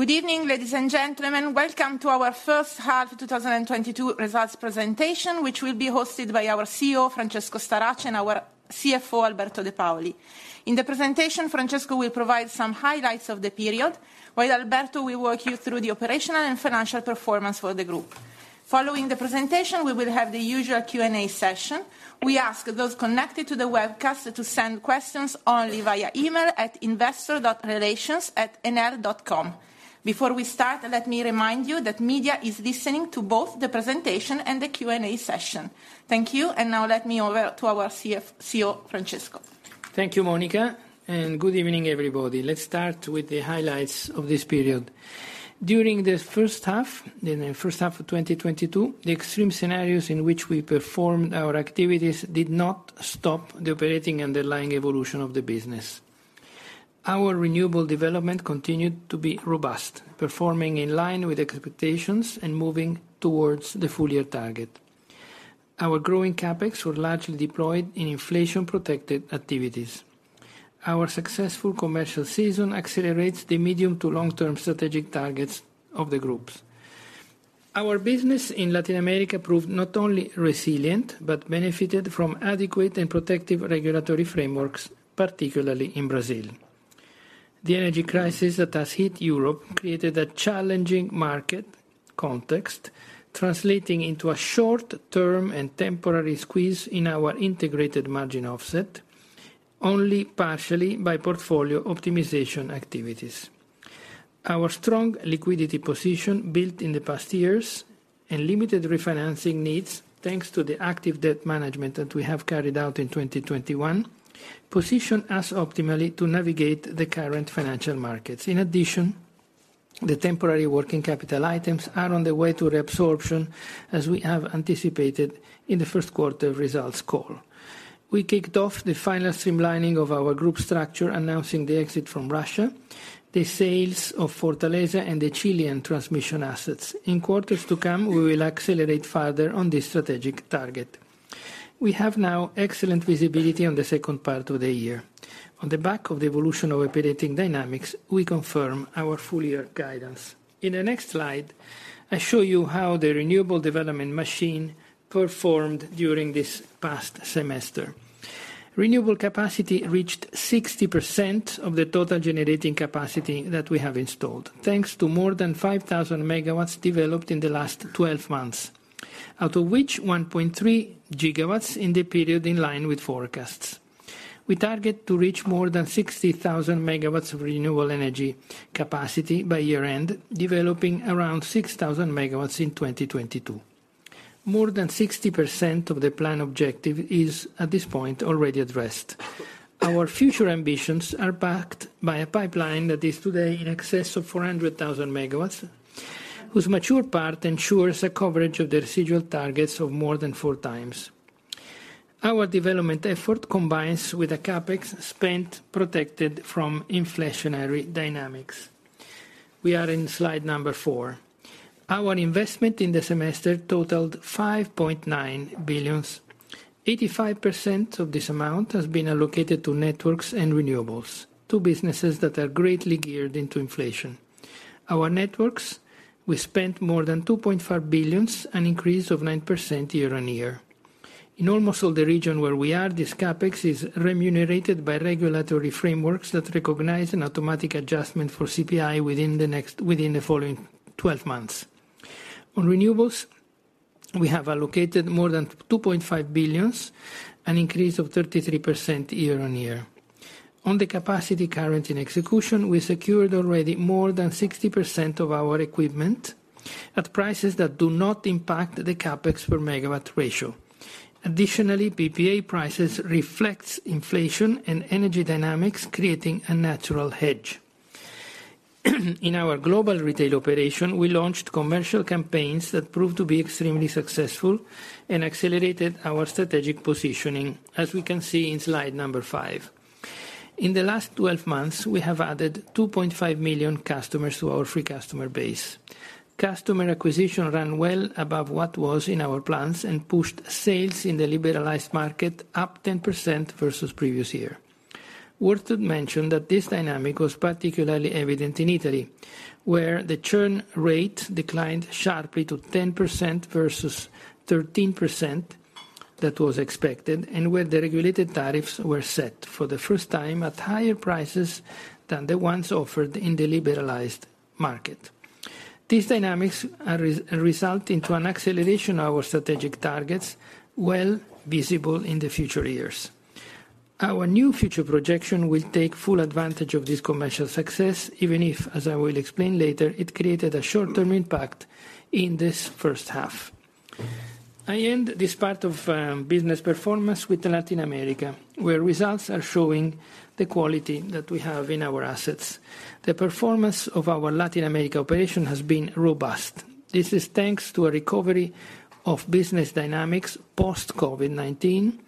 Good evening, ladies and gentlemen. Welcome to our first half 2022 results presentation, which will be hosted by our CEO, Francesco Starace, and our CFO, Alberto De Paoli. In the presentation, Francesco will provide some highlights of the period, while Alberto will walk you through the operational and financial performance for the group. Following the presentation, we will have the usual Q&A session. We ask those connected to the webcast to send questions only via email at investor.relations@enel.com. Before we start, let me remind you that media is listening to both the presentation and the Q&A session. Thank you, and now let me over to our CEO, Francesco. Thank you, Monica, and good evening, everybody. Let's start with the highlights of this period. During the first half of 2022, the extreme scenarios in which we performed our activities did not stop the operating and underlying evolution of the business. Our renewable development continued to be robust, performing in line with expectations and moving towards the full year target. Our growing CapEx were largely deployed in inflation-protected activities. Our successful commercial season accelerates the medium to long-term strategic targets of the groups. Our business in Latin America proved not only resilient, but benefited from adequate and protective regulatory frameworks, particularly in Brazil. The energy crisis that has hit Europe created a challenging market context, translating into a short-term and temporary squeeze in our integrated margin, offset only partially by portfolio optimization activities. Our strong liquidity position built in the past years and limited refinancing needs, thanks to the active debt management that we have carried out in 2021, position us optimally to navigate the current financial markets. In addition, the temporary working capital items are on the way to reabsorption, as we have anticipated in the first quarter results call. We kicked off the final streamlining of our group structure, announcing the exit from Russia, the sales of Fortaleza and the Chilean transmission assets. In quarters to come, we will accelerate further on this strategic target. We have now excellent visibility on the second part of the year. On the back of the evolution of operating dynamics, we confirm our full year guidance. In the next slide, I show you how the renewable development machine performed during this past semester. Renewable capacity reached 60% of the total generating capacity that we have installed, thanks to more than 5,000 MW developed in the last 12 months, out of which 1.3 GW in the period in line with forecasts. We target to reach more than 60,000 MW of renewable energy capacity by year-end, developing around 6,000 MW in 2022. More than 60% of the plan objective is, at this point, already addressed. Our future ambitions are backed by a pipeline that is today in excess of 400,000 MW, whose mature part ensures a coverage of the residual targets of more than 4x. Our development effort combines with a CapEx spent protected from inflationary dynamics. We are in slide number four. Our investment in the semester totaled 5.9 billion. 85% of this amount has been allocated to networks and renewables, two businesses that are greatly geared into inflation. Our networks, we spent more than 2.5 billion, a 9% increase year-on-year. In almost all the region where we are, this CapEx is remunerated by regulatory frameworks that recognize an automatic adjustment for CPI within the following twelve months. On renewables, we have allocated more than 2.5 billion, a 33% increase year-on-year. On the capacity currently in execution, we secured already more than 60% of our equipment at prices that do not impact the CapEx per megawatt ratio. Additionally, PPA prices reflects inflation and energy dynamics, creating a natural hedge. In our global retail operation, we launched commercial campaigns that proved to be extremely successful and accelerated our strategic positioning, as we can see in slide number five. In the last 12 months, we have added 2.5 million customers to our free customer base. Customer acquisition ran well above what was in our plans and pushed sales in the liberalized market up 10% versus previous year. Worth to mention that this dynamic was particularly evident in Italy, where the churn rate declined sharply to 10% versus 13% that was expected and where the regulated tariffs were set for the first time at higher prices than the ones offered in the liberalized market. These dynamics are resulting in an acceleration of our strategic targets well visible in the future years. Our new future projection will take full advantage of this commercial success, even if, as I will explain later, it created a short-term impact in this first half. I end this part of business performance with Latin America, where results are showing the quality that we have in our assets. The performance of our Latin America operation has been robust. This is thanks to a recovery of business dynamics post COVID-19,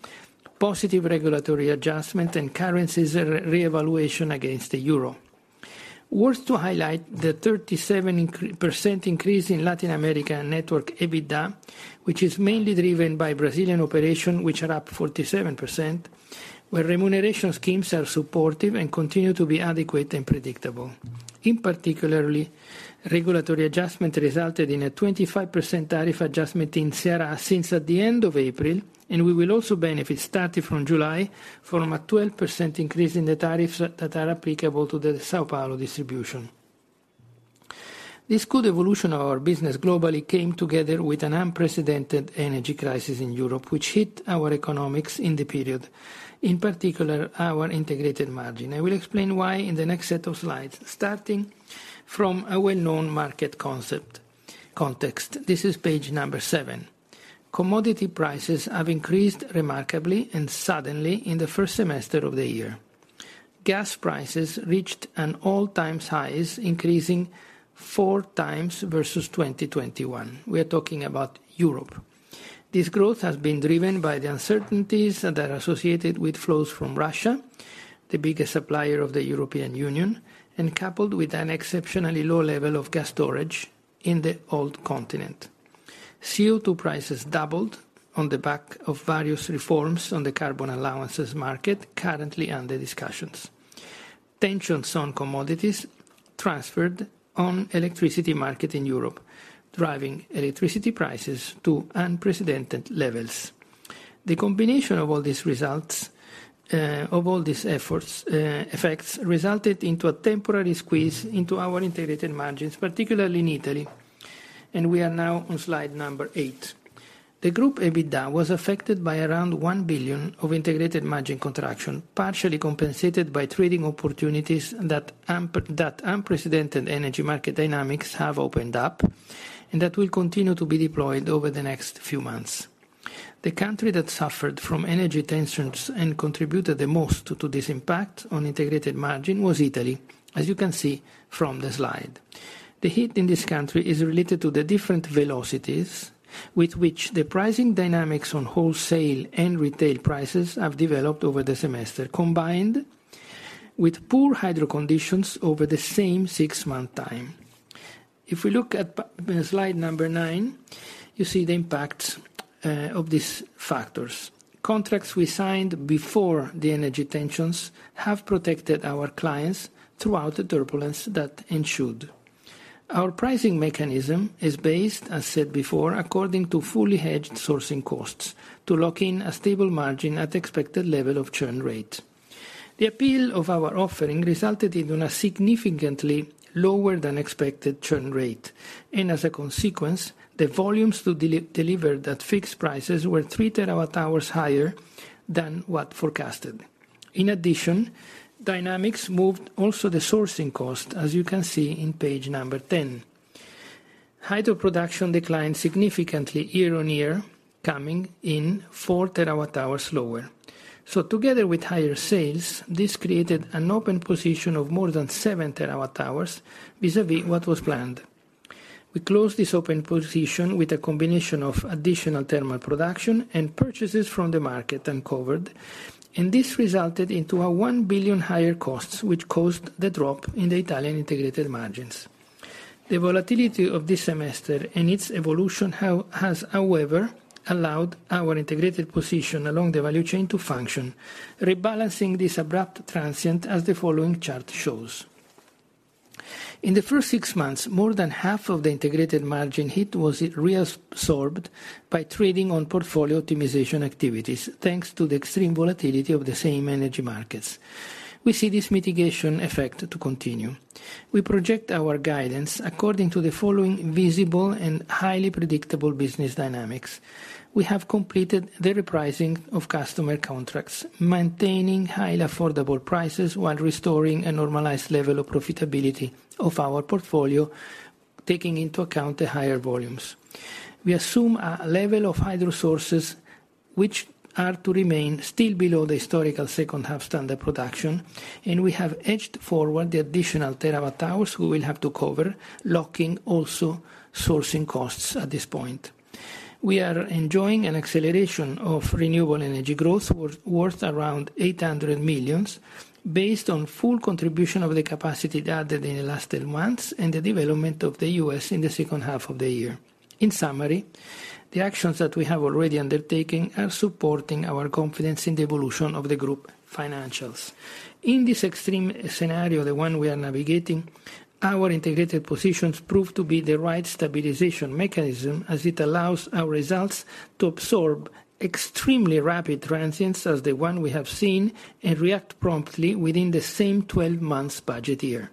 positive regulatory adjustment, and currency's revaluation against the euro. Worth to highlight the 37% increase in Latin America network EBITDA, which is mainly driven by Brazilian operation, which are up 47%, where remuneration schemes are supportive and continue to be adequate and predictable. In particular, regulatory adjustment resulted in a 25% tariff adjustment in Ceará since at the end of April, and we will also benefit starting from July from a 12% increase in the tariffs that are applicable to the São Paulo distribution. This good evolution of our business globally came together with an unprecedented energy crisis in Europe, which hit our economics in the period, in particular, our integrated margin. I will explain why in the next set of slides, starting from a well-known market context. This is page seven. Commodity prices have increased remarkably and suddenly in the first semester of the year. Gas prices reached an all-time high, increasing four times versus 2021. We are talking about Europe. This growth has been driven by the uncertainties that are associated with flows from Russia, the biggest supplier of the European Union, and coupled with an exceptionally low level of gas storage in the old continent. CO₂ prices doubled on the back of various reforms on the carbon allowances market currently under discussions. Tensions on commodities transferred to electricity market in Europe, driving electricity prices to unprecedented levels. The combination of all these effects resulted into a temporary squeeze into our integrated margins, particularly in Italy. We are now on slide number eight. The group EBITDA was affected by around 1 billion of integrated margin contraction, partially compensated by trading opportunities that unprecedented energy market dynamics have opened up and that will continue to be deployed over the next few months. The country that suffered from energy tensions and contributed the most to this impact on integrated margin was Italy, as you can see from the slide. The hit in this country is related to the different velocities with which the pricing dynamics on wholesale and retail prices have developed over the semester, combined with poor hydro conditions over the same six-month time. If we look at slide number nine, you see the impact of these factors. Contracts we signed before the energy tensions have protected our clients throughout the turbulence that ensued. Our pricing mechanism is based, as said before, according to fully hedged sourcing costs to lock in a stable margin at expected level of churn rate. The appeal of our offering resulted in a significantly lower than expected churn rate. As a consequence, the volumes to deliver that fixed prices were 3 TWh higher than what forecasted. In addition, dynamics moved also the sourcing cost, as you can see in page 10. Hydro production declined significantly year-on-year, coming in 4 TWh lower. Together with higher sales, this created an open position of more than 7 TWh vis-à-vis what was planned. We closed this open position with a combination of additional thermal production and purchases from the market uncovered, and this resulted into 1 billion higher costs, which caused the drop in the Italian integrated margins. The volatility of this semester and its evolution has, however, allowed our integrated position along the value chain to function, rebalancing this abrupt transient, as the following chart shows. In the first six months, more than half of the integrated margin hit was reabsorbed by trading on portfolio optimization activities, thanks to the extreme volatility of the same energy markets. We see this mitigation effect to continue. We project our guidance according to the following visible and highly predictable business dynamics. We have completed the repricing of customer contracts, maintaining highly affordable prices while restoring a normalized level of profitability of our portfolio, taking into account the higher volumes. We assume a level of hydro sources which are to remain still below the historical second half standard production, and we have hedged forward the additional terawatt-hours we will have to cover, locking also sourcing costs at this point. We are enjoying an acceleration of renewable energy growth worth around 800 million based on full contribution of the capacity added in the last 10 months and the development in the U.S. in the second half of the year. In summary, the actions that we have already undertaken are supporting our confidence in the evolution of the group financials. In this extreme scenario, the one we are navigating, our integrated positions prove to be the right stabilization mechanism, as it allows our results to absorb extremely rapid transients as the one we have seen and react promptly within the same 12 months budget year.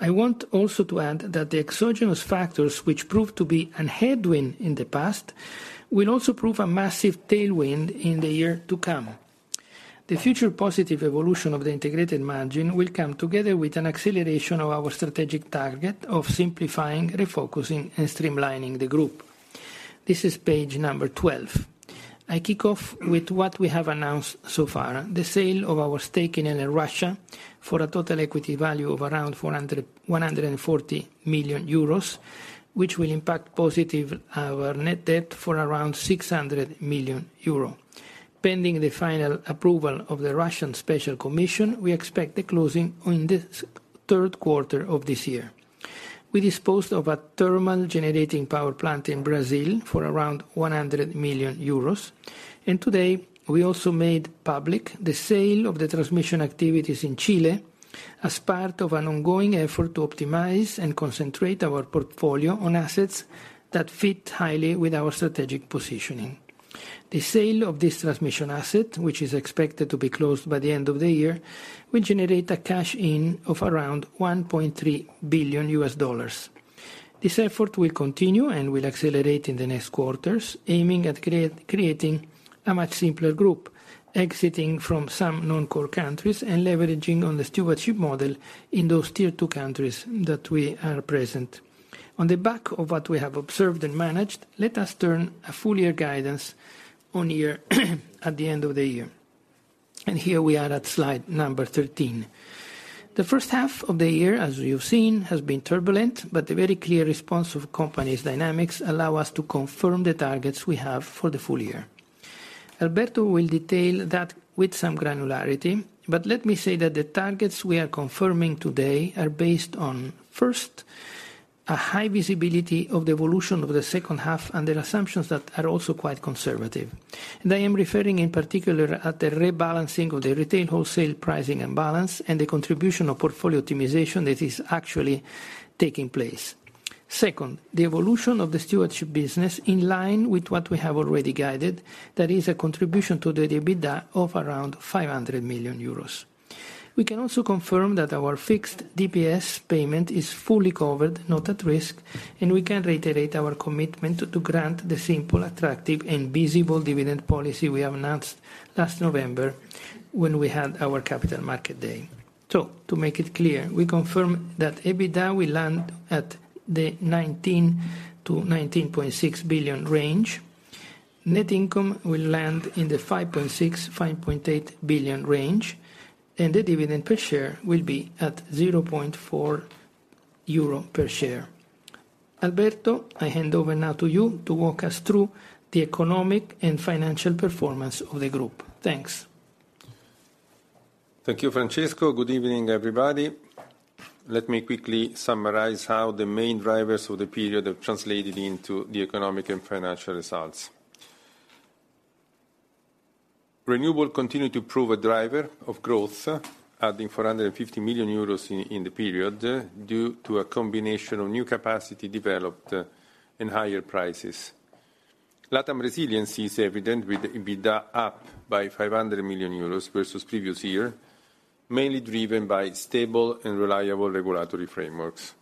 I want also to add that the exogenous factors, which proved to be a headwind in the past, will also prove a massive tailwind in the year to come. The future positive evolution of the integrated margin will come together with an acceleration of our strategic target of simplifying, refocusing, and streamlining the group. This is page 12. I kick off with what we have announced so far, the sale of our stake in Enel Russia for a total equity value of around 140 million euros, which will impact positive our net debt for around 600 million euro. Pending the final approval of the Russian Special Commission, we expect the closing in the third quarter of this year. We disposed of a thermal generating power plant in Brazil for around 100 million euros. Today, we also made public the sale of the transmission activities in Chile as part of an ongoing effort to optimize and concentrate our portfolio on assets that fit highly with our strategic positioning. The sale of this transmission asset, which is expected to be closed by the end of the year, will generate a cash in of around $1.3 billion. This effort will continue and will accelerate in the next quarters, aiming at creating a much simpler group, exiting from some non-core countries and leveraging on the stewardship model in those tier two countries that we are present. On the back of what we have observed and managed, let us turn to full-year guidance one year at a time at the end of the year. Here we are at slide number 13. The first half of the year, as we have seen, has been turbulent, but the very clear response of company's dynamics allow us to confirm the targets we have for the full year. Alberto will detail that with some granularity, but let me say that the targets we are confirming today are based on, first, a high visibility of the evolution of the second half and the assumptions that are also quite conservative. I am referring in particular to the rebalancing of the retail wholesale pricing and balance and the contribution of portfolio optimization that is actually taking place. Second, the evolution of the stewardship business in line with what we have already guided, that is a contribution to the EBITDA of around 500 million euros. We can also confirm that our fixed DPS payment is fully covered, not at risk, and we can reiterate our commitment to grant the simple, attractive, and visible dividend policy we have announced last November when we had our Capital Market Day. To make it clear, we confirm that EBITDA will land at the 19 billion-19.6 billion range. Net income will land in the 5.6 billion-5.8 billion range, and the dividend per share will be at 0.4 euro per share. Alberto, I hand over now to you to walk us through the economic and financial performance of the group. Thanks. Thank you, Francesco. Good evening, everybody. Let me quickly summarize how the main drivers of the period have translated into the economic and financial results. Renewables continue to prove a driver of growth, adding 450 million euros in the period due to a combination of new capacity developed and higher prices. LATAM resiliency is evident with EBITDA up by 500 million euros versus previous year, mainly driven by stable and reliable regulatory frameworks.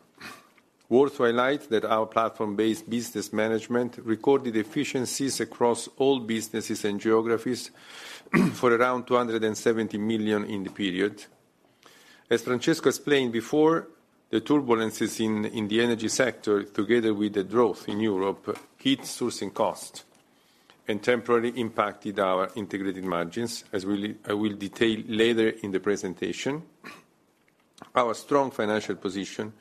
Worth to highlight that our platform-based business management recorded efficiencies across all businesses and geographies for around 270 million in the period. As Francesco explained before, the turbulences in the energy sector, together with the growth in Europe, higher sourcing costs and temporarily impacted our integrated margins, as I will detail later in the presentation. Our strong financial position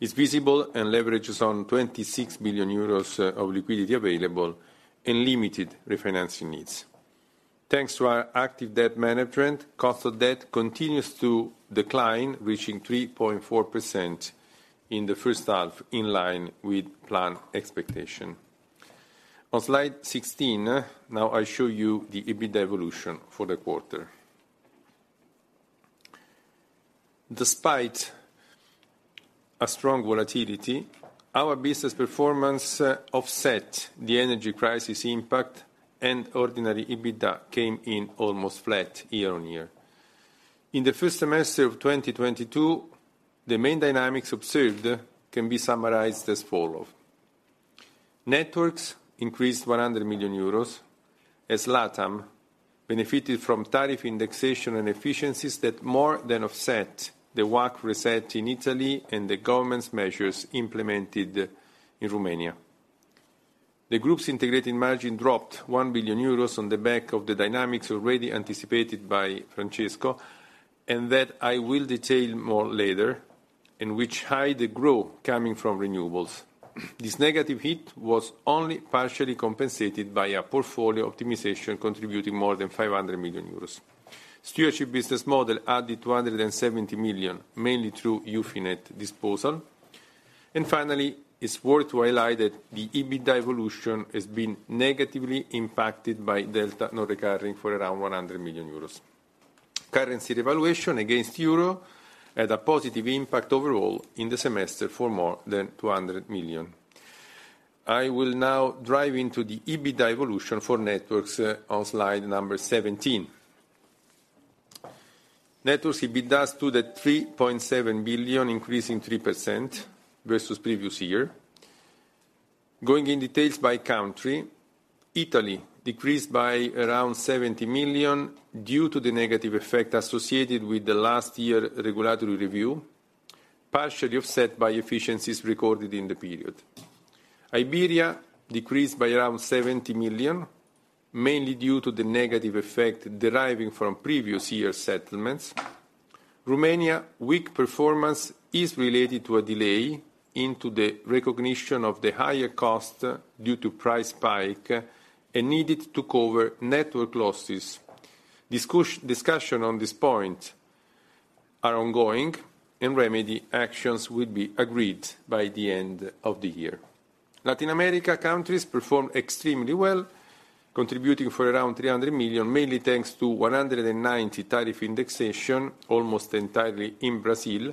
is visible and leverages on 26 billion euros of liquidity available and limited refinancing needs. Thanks to our active debt management, cost of debt continues to decline, reaching 3.4% in the first half, in line with plan expectation. On slide 16, now I show you the EBITDA evolution for the quarter. Despite a strong volatility, our business performance offset the energy crisis impact and ordinary EBITDA came in almost flat year-on-year. In the first semester of 2022, the main dynamics observed can be summarized as follow. Networks increased 100 million euros as LATAM benefited from tariff indexation and efficiencies that more than offset the WACC reset in Italy and the government's measures implemented in Romania. The group's integrated margin dropped 1 billion euros on the back of the dynamics already anticipated by Francesco, and that I will detail more later, in which hide the growth coming from renewables. This negative hit was only partially compensated by a portfolio optimization contributing more than 500 million euros. Stewardship business model added 270 million, mainly through Ufinet disposal. Finally, it's worth to highlight that the EBITDA evolution has been negatively impacted by delta non-recurring for around 100 million euros. Currency devaluation against euro had a positive impact overall in the semester for more than 200 million. I will now dive into the EBITDA evolution for networks on slide 17. Networks EBITDA is 3.7 billion, increasing 3% versus previous year. Going into details by country, Italy decreased by around 70 million due to the negative effect associated with the last year regulatory review, partially offset by efficiencies recorded in the period. Iberia decreased by around 70 million, mainly due to the negative effect deriving from previous year settlements. Romania weak performance is related to a delay in the recognition of the higher cost due to price spike and needed to cover network losses. Discussion on this point is ongoing, and remedy actions will be agreed by the end of the year. Latin America countries perform extremely well, contributing for around 300 million, mainly thanks to 190 tariff indexation, almost entirely in Brazil,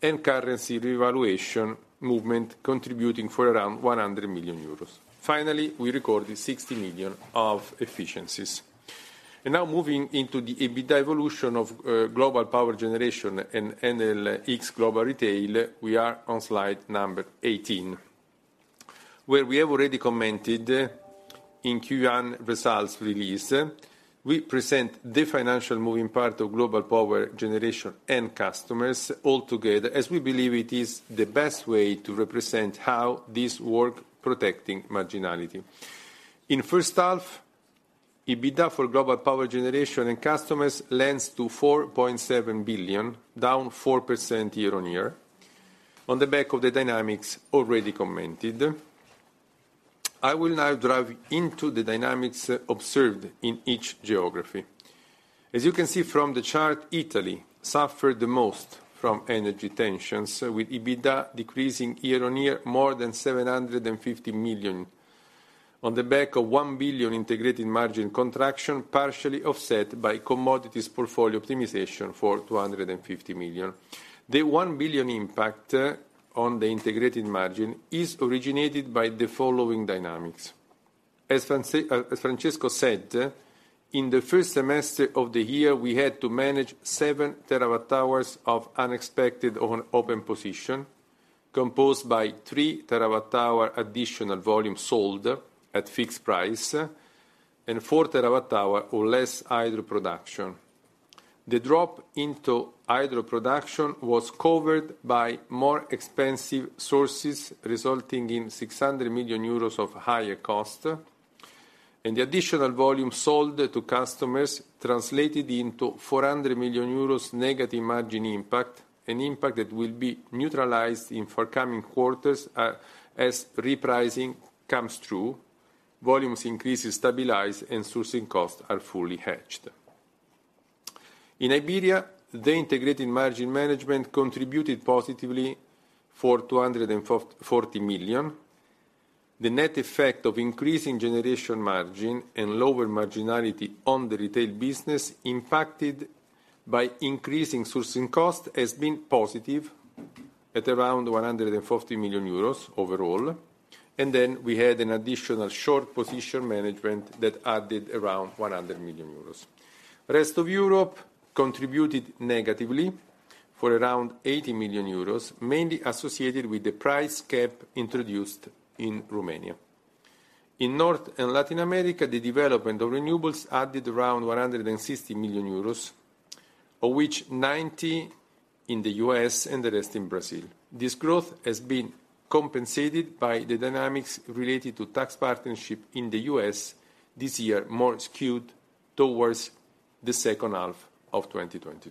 and currency revaluation movement contributing for around 100 million euros. Finally, we recorded 60 million of efficiencies. Now moving into the EBIT evolution of Global Power Generation and Enel X Global Retail, we are on slide number 18. Where we have already commented in Q1 results release, we present the financial performance of Global Power Generation and Enel X Global Retail altogether, as we believe it is the best way to represent how this works protecting marginality. In first half, EBITDA for Global Power Generation and Enel X Global Retail amounts to 4.7 billion, down 4% year-on-year on the back of the dynamics already commented. I will now dive into the dynamics observed in each geography. As you can see from the chart, Italy suffered the most from energy tensions, with EBITDA decreasing year-on-year more than 750 million on the back of 1 billion integrated margin contraction, partially offset by commodities portfolio optimization for 250 million. The 1 billion impact on the integrated margin is originated by the following dynamics. As Francesco said, in the first semester of the year, we had to manage 7 TWh of unexpected on open position, composed by 3 TWh additional volume sold at fixed price and 4 TWh or less hydro production. The drop into hydro production was covered by more expensive sources, resulting in 600 million euros of higher cost. The additional volume sold to customers translated into 400 million euros negative margin impact, an impact that will be neutralized in forthcoming quarters, as repricing comes through, volumes increases stabilize, and sourcing costs are fully hedged. In Iberia, the integrated margin management contributed positively for 240 million. The net effect of increasing generation margin and lower marginality on the retail business impacted by increasing sourcing cost has been positive at around 140 million euros overall. We had an additional short position management that added around 100 million euros. Rest of Europe contributed negatively for around 80 million euros, mainly associated with the price cap introduced in Romania. In North and Latin America, the development of renewables added around 160 million euros, of which 90 million in the U.S. and the rest in Brazil. This growth has been compensated by the dynamics related to tax equity partnership in the U.S. this year more skewed towards the second half of 2022.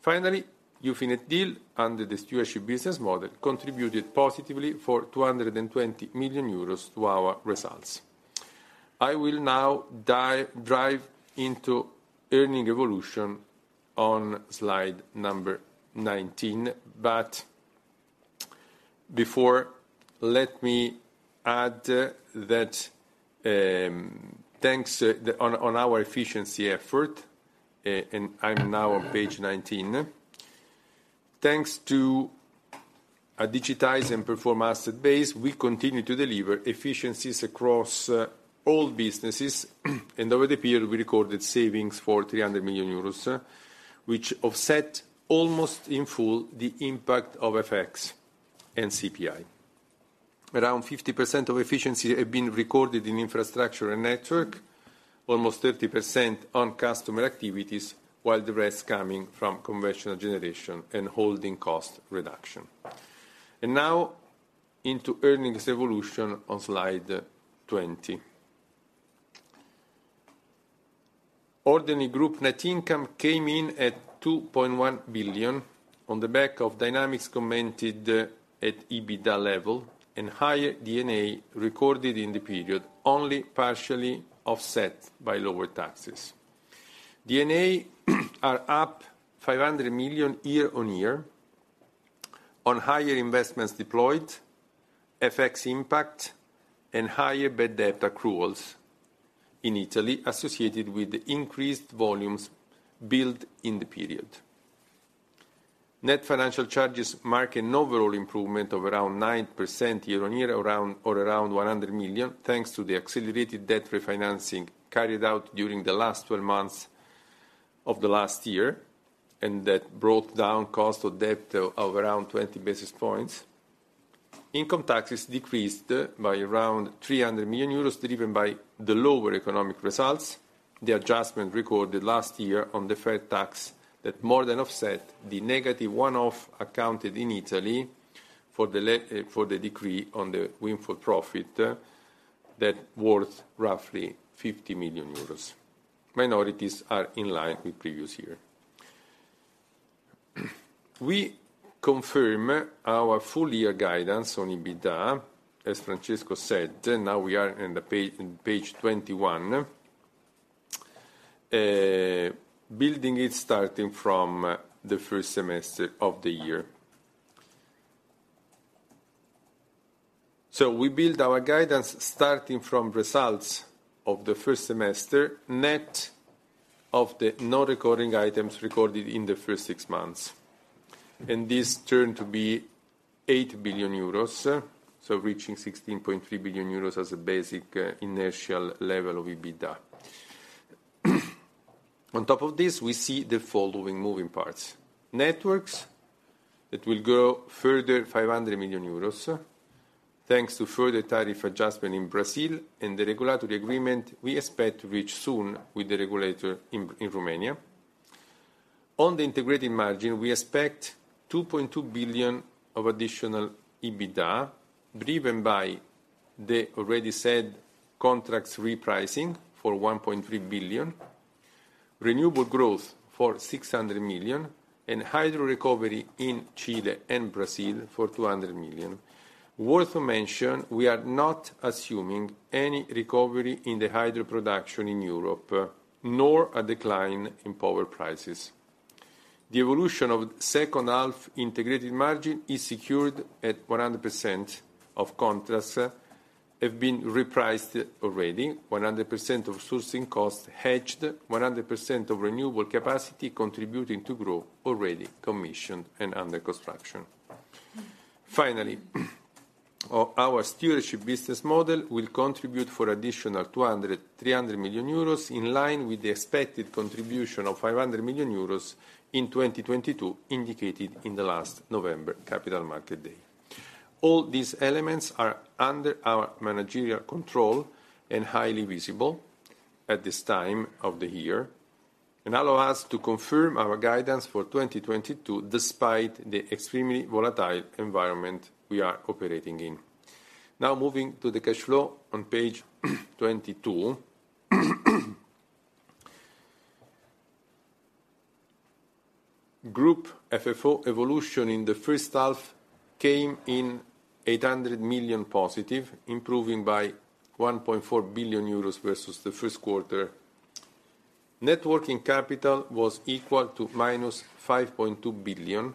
Finally, Ufinet deal under the stewardship business model contributed positively for 220 million euros to our results. I will now dive into earnings evolution on slide number 19. Before, let me add that on our efficiency effort, and I'm now on page 19. Thanks to a digitized and performant asset base, we continue to deliver efficiencies across all businesses, and over the period we recorded savings for 300 million euros, which offset almost in full the impact of FX and CPI. Around 50% of efficiency have been recorded in infrastructure and network, almost 30% on customer activities, while the rest coming from conventional generation and holding cost reduction. Now into earnings evolution on slide 20. Ordinary Group net income came in at 2.1 billion on the back of dynamics commented at EBITDA level and higher D&A recorded in the period, only partially offset by lower taxes. D&A are up 500 million year-on-year on higher investments deployed, FX impact, and higher bad debt accruals in Italy associated with the increased volumes built in the period. Net financial charges mark an overall improvement of around 9% year-on-year, around 100 million, thanks to the accelerated debt refinancing carried out during the last twelve months of the last year, and that brought down cost of debt of around 20 basis points. Income taxes decreased by around 300 million euros, driven by the lower economic results, the adjustment recorded last year on the IRES that more than offset the negative one-off accounted in Italy for the decree on the windfall profit tax worth roughly 50 million euros. Minorities are in line with previous year. We confirm our full year guidance on EBITDA, as Francesco said, now we are on page 21. Building it starting from the first semester of the year. We build our guidance starting from results of the first semester, net of the non-recurring items recorded in the first six months. This turned out to be 8 billion euros, so reaching 16.3 billion euros as a basic inertial level of EBITDA. On top of this, we see the following moving parts: networks that will grow further 500 million euros, thanks to further tariff adjustment in Brazil and the regulatory agreement we expect to reach soon with the regulator in Romania. On the integrated margin, we expect 2.2 billion of additional EBITDA, driven by the already said contracts repricing for 1.3 billion, renewable growth for 600 million, and hydro recovery in Chile and Brazil for 200 million. Worth mentioning, we are not assuming any recovery in the hydro production in Europe, nor a decline in power prices. The evolution of the second half integrated margin is secured. At 100% of contracts have been repriced already, 100% of sourcing costs hedged, 100% of renewable capacity contributing to growth already commissioned and under construction. Finally, our stewardship business model will contribute for additional 200 million-300 million euros, in line with the expected contribution of 500 million euros in 2022 indicated in the last November Capital Market Day. All these elements are under our managerial control and highly visible at this time of the year, and allow us to confirm our guidance for 2022, despite the extremely volatile environment we are operating in. Now, moving to the cash flow on page 22. Group FFO evolution in the first half came in 800 million positive, improving by 1.4 billion euros versus the first quarter. Net working capital was equal to -5.2 billion,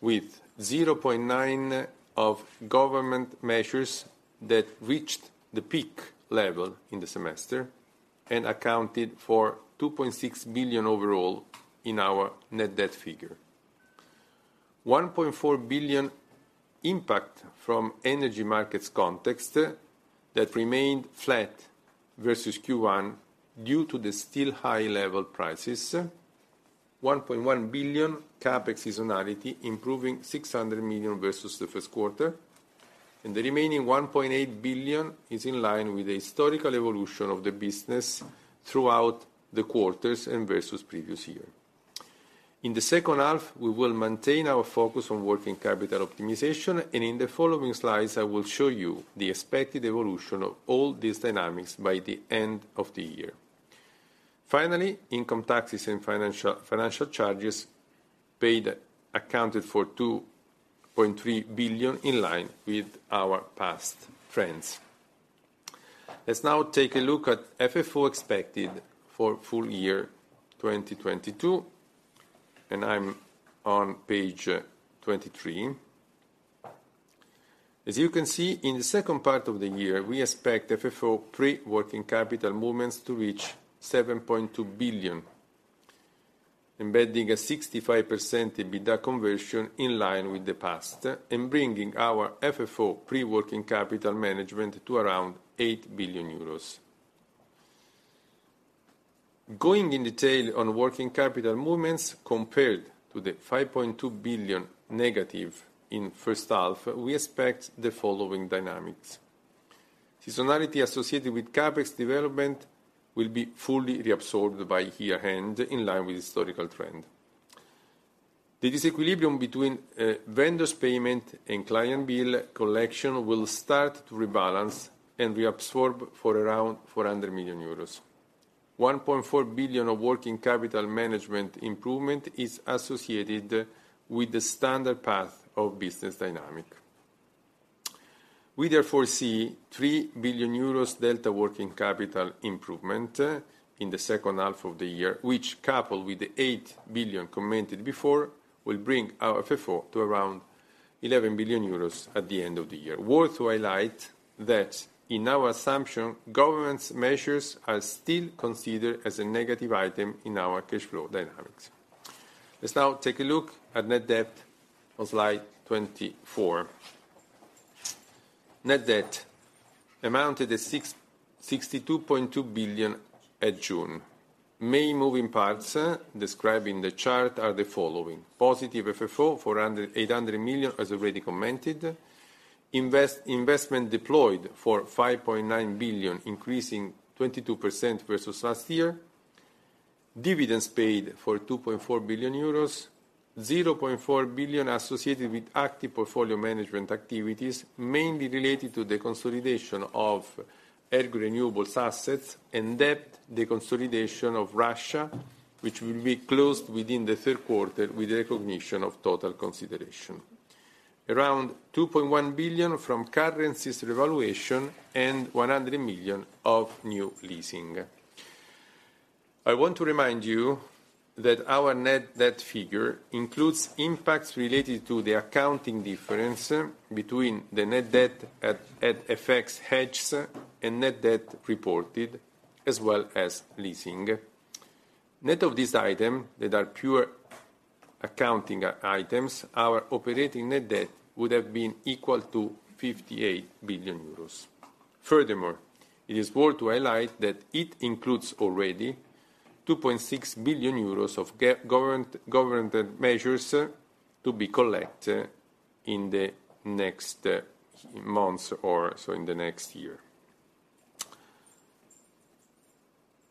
with 0.9 billion of government measures that reached the peak level in the semester and accounted for 2.6 billion overall in our net debt figure. 1.4 billion impact from energy markets context that remained flat versus Q1 due to the still high level prices. 1.1 billion CapEx seasonality, improving 600 million versus the first quarter. The remaining 1.8 billion is in line with the historical evolution of the business throughout the quarters and versus previous year. In the second half, we will maintain our focus on working capital optimization, and in the following slides, I will show you the expected evolution of all these dynamics by the end of the year. Finally, income taxes and financial charges paid accounted for 2.3 billion in line with our past trends. Let's now take a look at FFO expected for full year 2022, and I'm on page 23. As you can see, in the second part of the year, we expect FFO pre-working capital movements to reach 7.2 billion, embedding a 65% EBITDA conversion in line with the past and bringing our FFO pre-working capital management to around 8 billion euros. Going in detail on working capital movements compared to the 5.2 billion negative in first half, we expect the following dynamics. Seasonality associated with CapEx development will be fully reabsorbed by year-end, in line with historical trend. The disequilibrium between vendors payment and client bill collection will start to rebalance and reabsorb for around 400 million euros. 1.4 billion of working capital management improvement is associated with the standard path of business dynamic. We therefore see 3 billion euros delta working capital improvement in the second half of the year, which coupled with the 8 billion commented before, will bring our FFO to around 11 billion euros at the end of the year. Worth to highlight that in our assumption, government's measures are still considered as a negative item in our cash flow dynamics. Let's now take a look at net debt on slide 24. Net debt amounted to 62.2 billion at June. Main moving parts described in the chart are the following: positive FFO, 800 million, as already commented. Investment deployed for 5.9 billion, increasing 22% versus last year. Dividends paid for 2.4 billion euros, 0.4 billion associated with active portfolio management activities, mainly related to the consolidation of our renewables assets and debt, the consolidation of Enel Russia, which will be closed within the third quarter with recognition of total consideration. Around 2.1 billion from currency revaluation and 100 million of new leasing. I want to remind you that our net debt figure includes impacts related to the accounting difference between the net debt at FX hedge and net debt reported, as well as leasing. Net of this item that are pure accounting items, our operating net debt would have been equal to 58 billion euros. Furthermore, it is worth to highlight that it includes already 2.6 billion euros of government measures to be collected in the next months or so in the next year.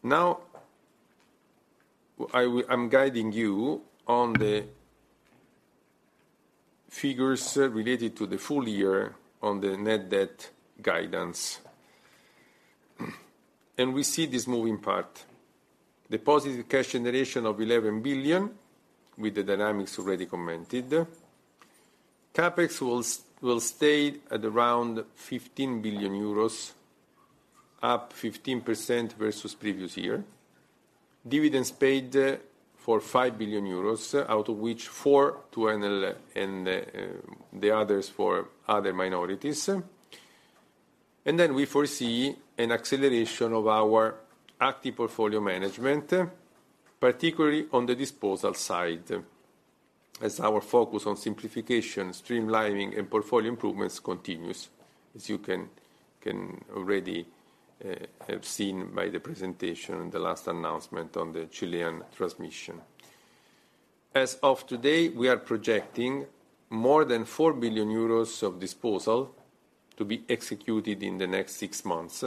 Now, I'm guiding you on the figures related to the full year on the net debt guidance. We see this moving part. The positive cash generation of 11 billion, with the dynamics already commented. CapEx will stay at around 15 billion euros, up 15% versus previous year. Dividends paid for 5 billion euros, out of which 4 billion to Enel and the others for other minorities. We foresee an acceleration of our active portfolio management, particularly on the disposal side, as our focus on simplification, streamlining, and portfolio improvements continues, as you can already have seen by the presentation and the last announcement on the Chilean transmission. As of today, we are projecting more than 4 billion euros of disposal to be executed in the next six months,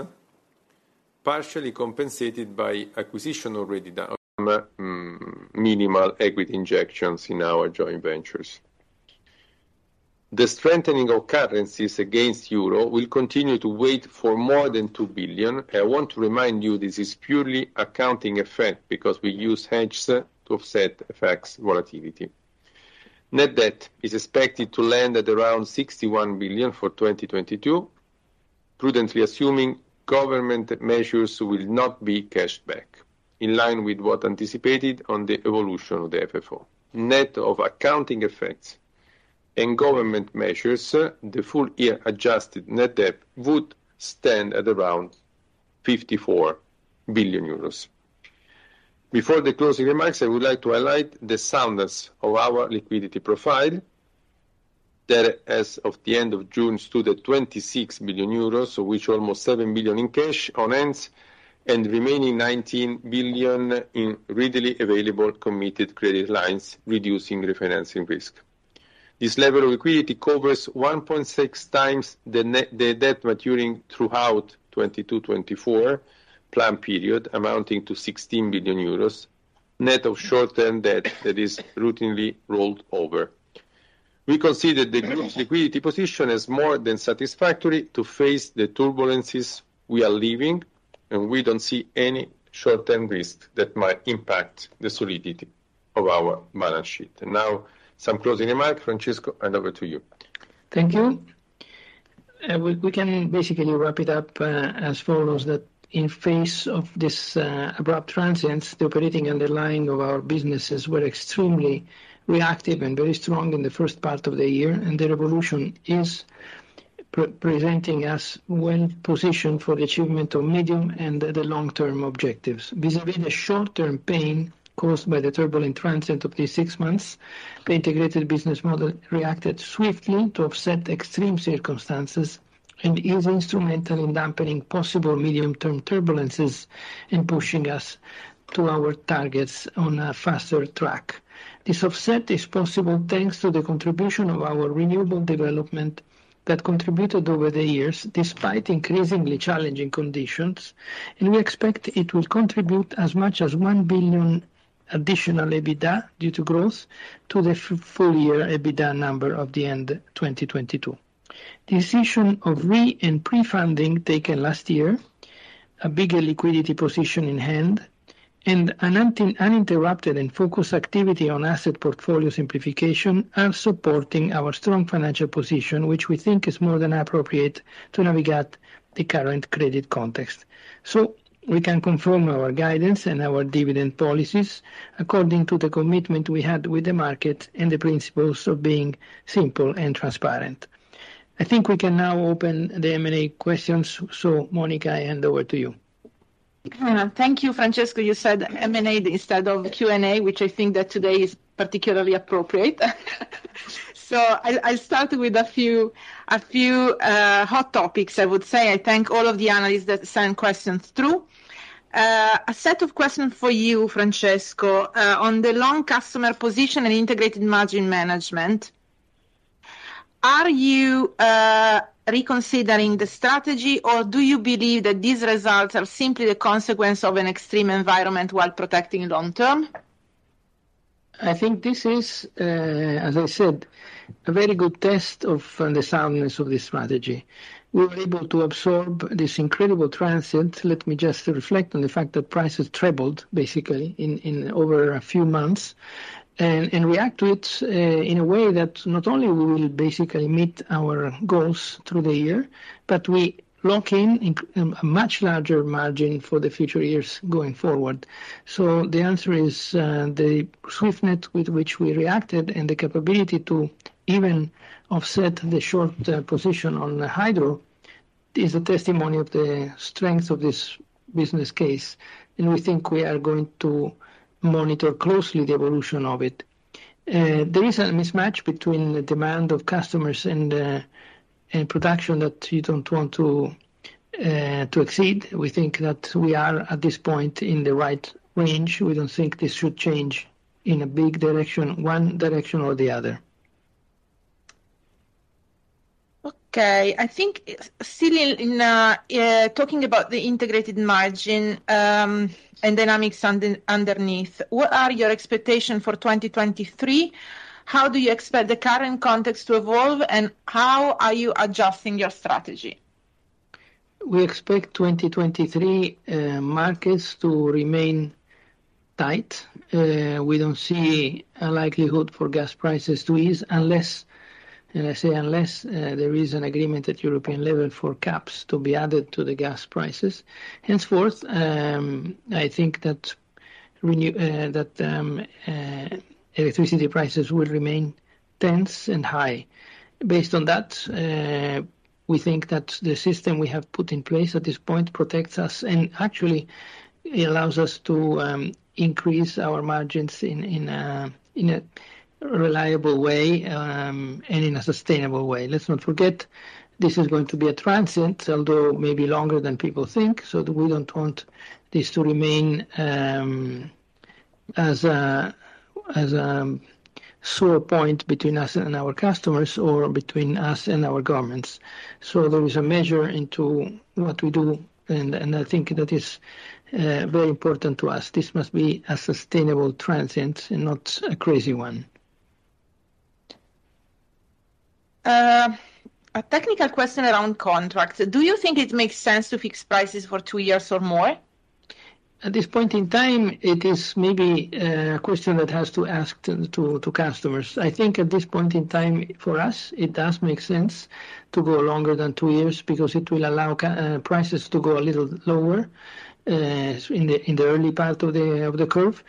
partially compensated by acquisition already done, minimal equity injections in our joint ventures. The strengthening of currencies against euro will continue to weigh in at more than 2 billion. I want to remind you this is purely accounting effect because we use hedges to offset the effects of volatility. Net debt is expected to land at around 61 billion for 2022, prudently assuming government measures will not be cashed in line with what anticipated on the evolution of the FFO. Net of accounting effects and government measures, the full-year adjusted net debt would stand at around 54 billion euros. Before the closing remarks, I would like to highlight the soundness of our liquidity profile that as of the end of June stood at 26 billion euros, so which almost 7 billion in cash on hands and remaining 19 billion in readily available committed credit lines, reducing refinancing risk. This level of liquidity covers 1.6x the debt maturing throughout 2022-2024 plan period, amounting to 16 billion euros, net of short-term debt that is routinely rolled over. We consider the group's liquidity position as more than satisfactory to face the turbulences we are living, and we don't see any short-term risk that might impact the solidity of our balance sheet. Now some closing remarks. Francesco, hand over to you. Thank you. We can basically wrap it up as follows, that in face of this abrupt transition, the underlying operations of our businesses were extremely reactive and very strong in the first part of the year, and the resilience is presenting us well positioned for achievement of medium- and long-term objectives. Vis-à-vis the short-term pain caused by the turbulent transition of these six months, the integrated business model reacted swiftly to offset extreme circumstances and is instrumental in dampening possible medium-term turbulences and pushing us to our targets on a faster track. This offset is possible thanks to the contribution of our renewable development that contributed over the years, despite increasingly challenging conditions, and we expect it will contribute as much as 1 billion additional EBITDA due to growth to the full year EBITDA number at the end of 2022. Decision of re- and pre-funding taken last year, a bigger liquidity position in hand, and an uninterrupted and focused activity on asset portfolio simplification are supporting our strong financial position, which we think is more than appropriate to navigate the current credit context. We can confirm our guidance and our dividend policies according to the commitment we had with the market and the principles of being simple and transparent. I think we can now open the M&A questions. Monica, I hand over to you. Thank you, Francesco. You said M&A instead of Q&A, which I think that today is particularly appropriate. I'll start with a few hot topics, I would say. I thank all of the analysts that sent questions through. A set of questions for you, Francesco, on the long customer position and integrated margin management. Are you reconsidering the strategy or do you believe that these results are simply the consequence of an extreme environment while protecting long term? I think this is, as I said, a very good test of, the soundness of this strategy. We were able to absorb this incredible transient. Let me just reflect on the fact that prices trebled basically in over a few months react to it in a way that not only we will basically meet our goals through the year, but we lock in a much larger margin for the future years going forward. The answer is, the swiftness with which we reacted and the capability to even offset the short position on the hydro is a testimony of the strength of this business case, and we think we are going to monitor closely the evolution of it. There is a mismatch between the demand of customers and production that you don't want to exceed. We think that we are, at this point, in the right range. We don't think this should change in a big direction, one direction or the other. Okay. I think, Cyril, talking about the integrated margin and dynamics underneath, what are your expectation for 2023? How do you expect the current context to evolve, and how are you adjusting your strategy? We expect 2023 markets to remain tight. We don't see a likelihood for gas prices to ease unless, and I say unless, there is an agreement at European level for caps to be added to the gas prices. Henceforth, I think that electricity prices will remain tense and high. Based on that, we think that the system we have put in place at this point protects us, and actually it allows us to increase our margins in a reliable way and in a sustainable way. Let's not forget, this is going to be a transient, although maybe longer than people think, so we don't want this to remain as a sore point between us and our customers or between us and our governments. There is a measure into what we do and I think that is very important to us. This must be a sustainable transient and not a crazy one. A technical question around contracts. Do you think it makes sense to fix prices for two years or more? At this point in time, it is maybe a question that has to be asked to customers. I think at this point in time, for us, it does make sense to go longer than two years because it will allow prices to go a little lower in the early part of the curve.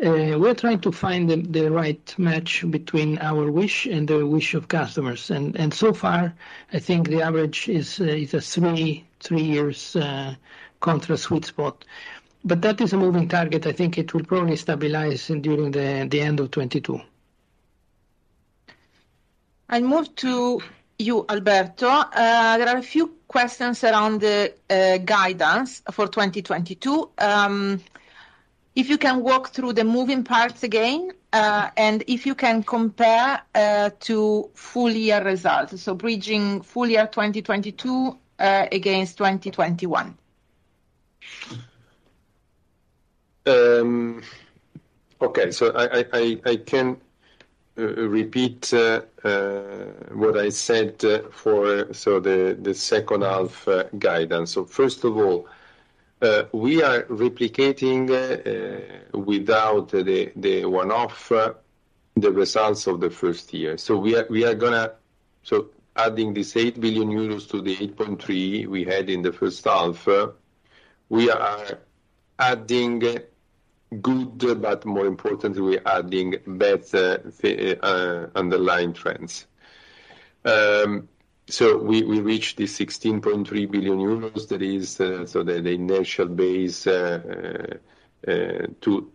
We're trying to find the right match between our wish and the wish of customers. So far I think the average is a three years contract sweet spot. That is a moving target. I think it will probably stabilize during the end of 2022. I move to you, Alberto. There are a few questions around the guidance for 2022. If you can walk through the moving parts again, and if you can compare to full year results, so bridging full year 2022 against 2021. Okay. I can repeat what I said for the second half guidance. First of all, we are replicating without the one-off the results of the first year. We are gonna add this 8 billion euros to the 8.3 billion we had in the first half. We are adding good, but more importantly we are adding better underlying trends. We reached the 16.3 billion euros that is the initial base to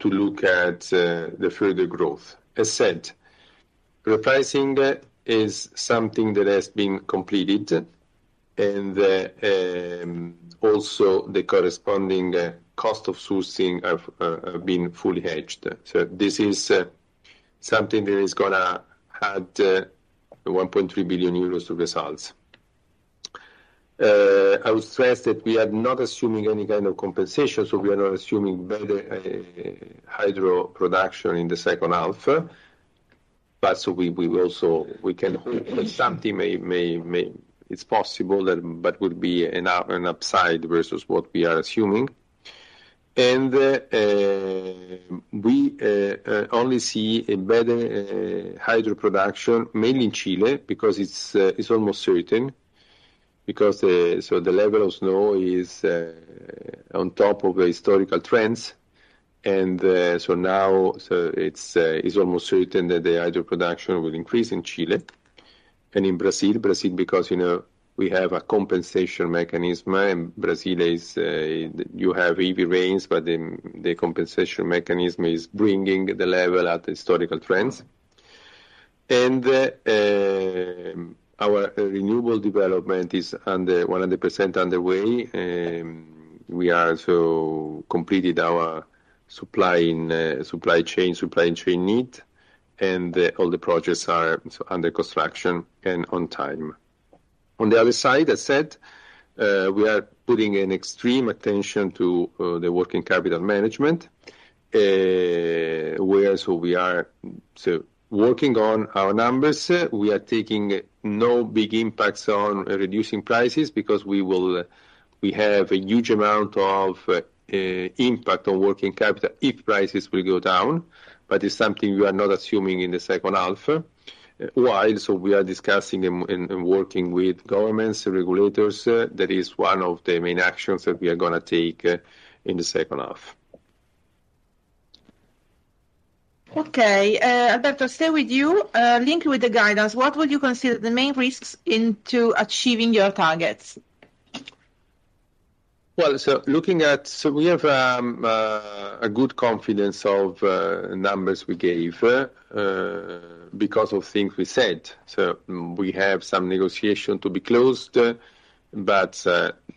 look at the further growth. As said, repricing is something that has been completed and also the corresponding cost of sourcing have been fully hedged. This is something that is gonna add 1.3 billion euros to results. I will stress that we are not assuming any kind of compensation, so we are not assuming better hydro production in the second half. We can hope that something may. It's possible that it would be an upside versus what we are assuming. We only see a better hydro production mainly in Chile because it's almost certain the level of snow is on top of the historical trends. It's almost certain that the hydro production will increase in Chile and in Brazil. Brazil because, you know, we have a compensation mechanism, and in Brazil you have heavy rains, but the compensation mechanism is bringing the level at historical trends. Our renewable development is under 100% underway. We also completed our supply chain, supply and demand, and all the projects are under construction and on time. On the other side, as said, we are paying extreme attention to the working capital management. Whereas we are working on our numbers, we are taking no big impacts on reducing prices because we have a huge amount of impact on working capital if prices go down, but it's something we are not assuming in the second half. Why? We are discussing and working with governments and regulators. That is one of the main actions that we are gonna take in the second half. Okay. Alberto, stay with you. In line with the guidance, what would you consider the main risks in achieving your targets? We have a good confidence in the numbers we gave because of things we said. We have some negotiations to be closed, but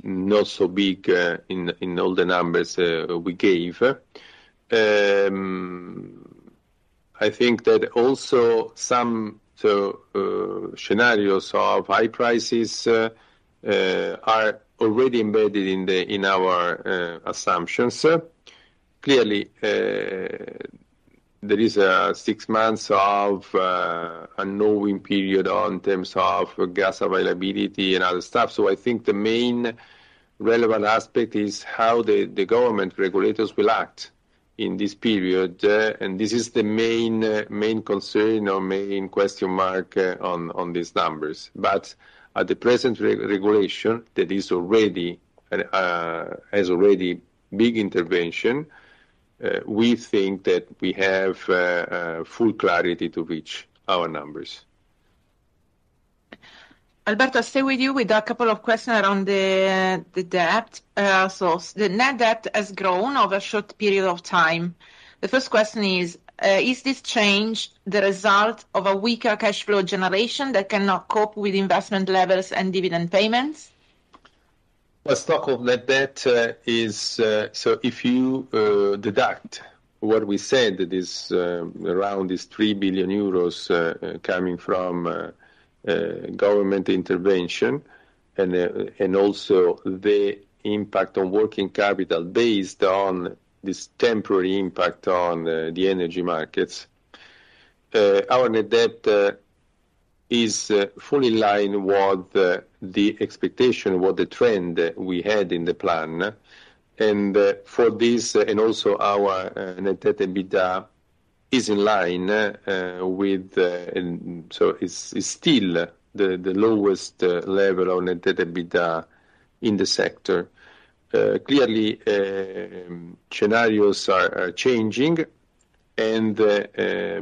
not so big in all the numbers we gave. I think that also some scenarios of high prices are already embedded in our assumptions. Clearly, there is a six-month notice period in terms of gas availability and other stuff. I think the main relevant aspect is how the government regulators will act in this period. This is the main concern or main question mark on these numbers. At present, the regulation that already has big intervention, we think that we have full clarity to reach our numbers. Alberto, stay with you. We've got a couple of questions around the debt. The net debt has grown over a short period of time. The first question is this change the result of a weaker cash flow generation that cannot cope with investment levels and dividend payments? Well, stock of net debt is. So if you deduct what we said is around 3 billion euros coming from government intervention and also the impact on working capital based on this temporary impact on the energy markets, our net debt is fully in line with the expectation, with the trend we had in the plan. For this, and also our net debt/EBITDA is in line with, and so is still the lowest level of net debt/EBITDA in the sector. Clearly, scenarios are changing and,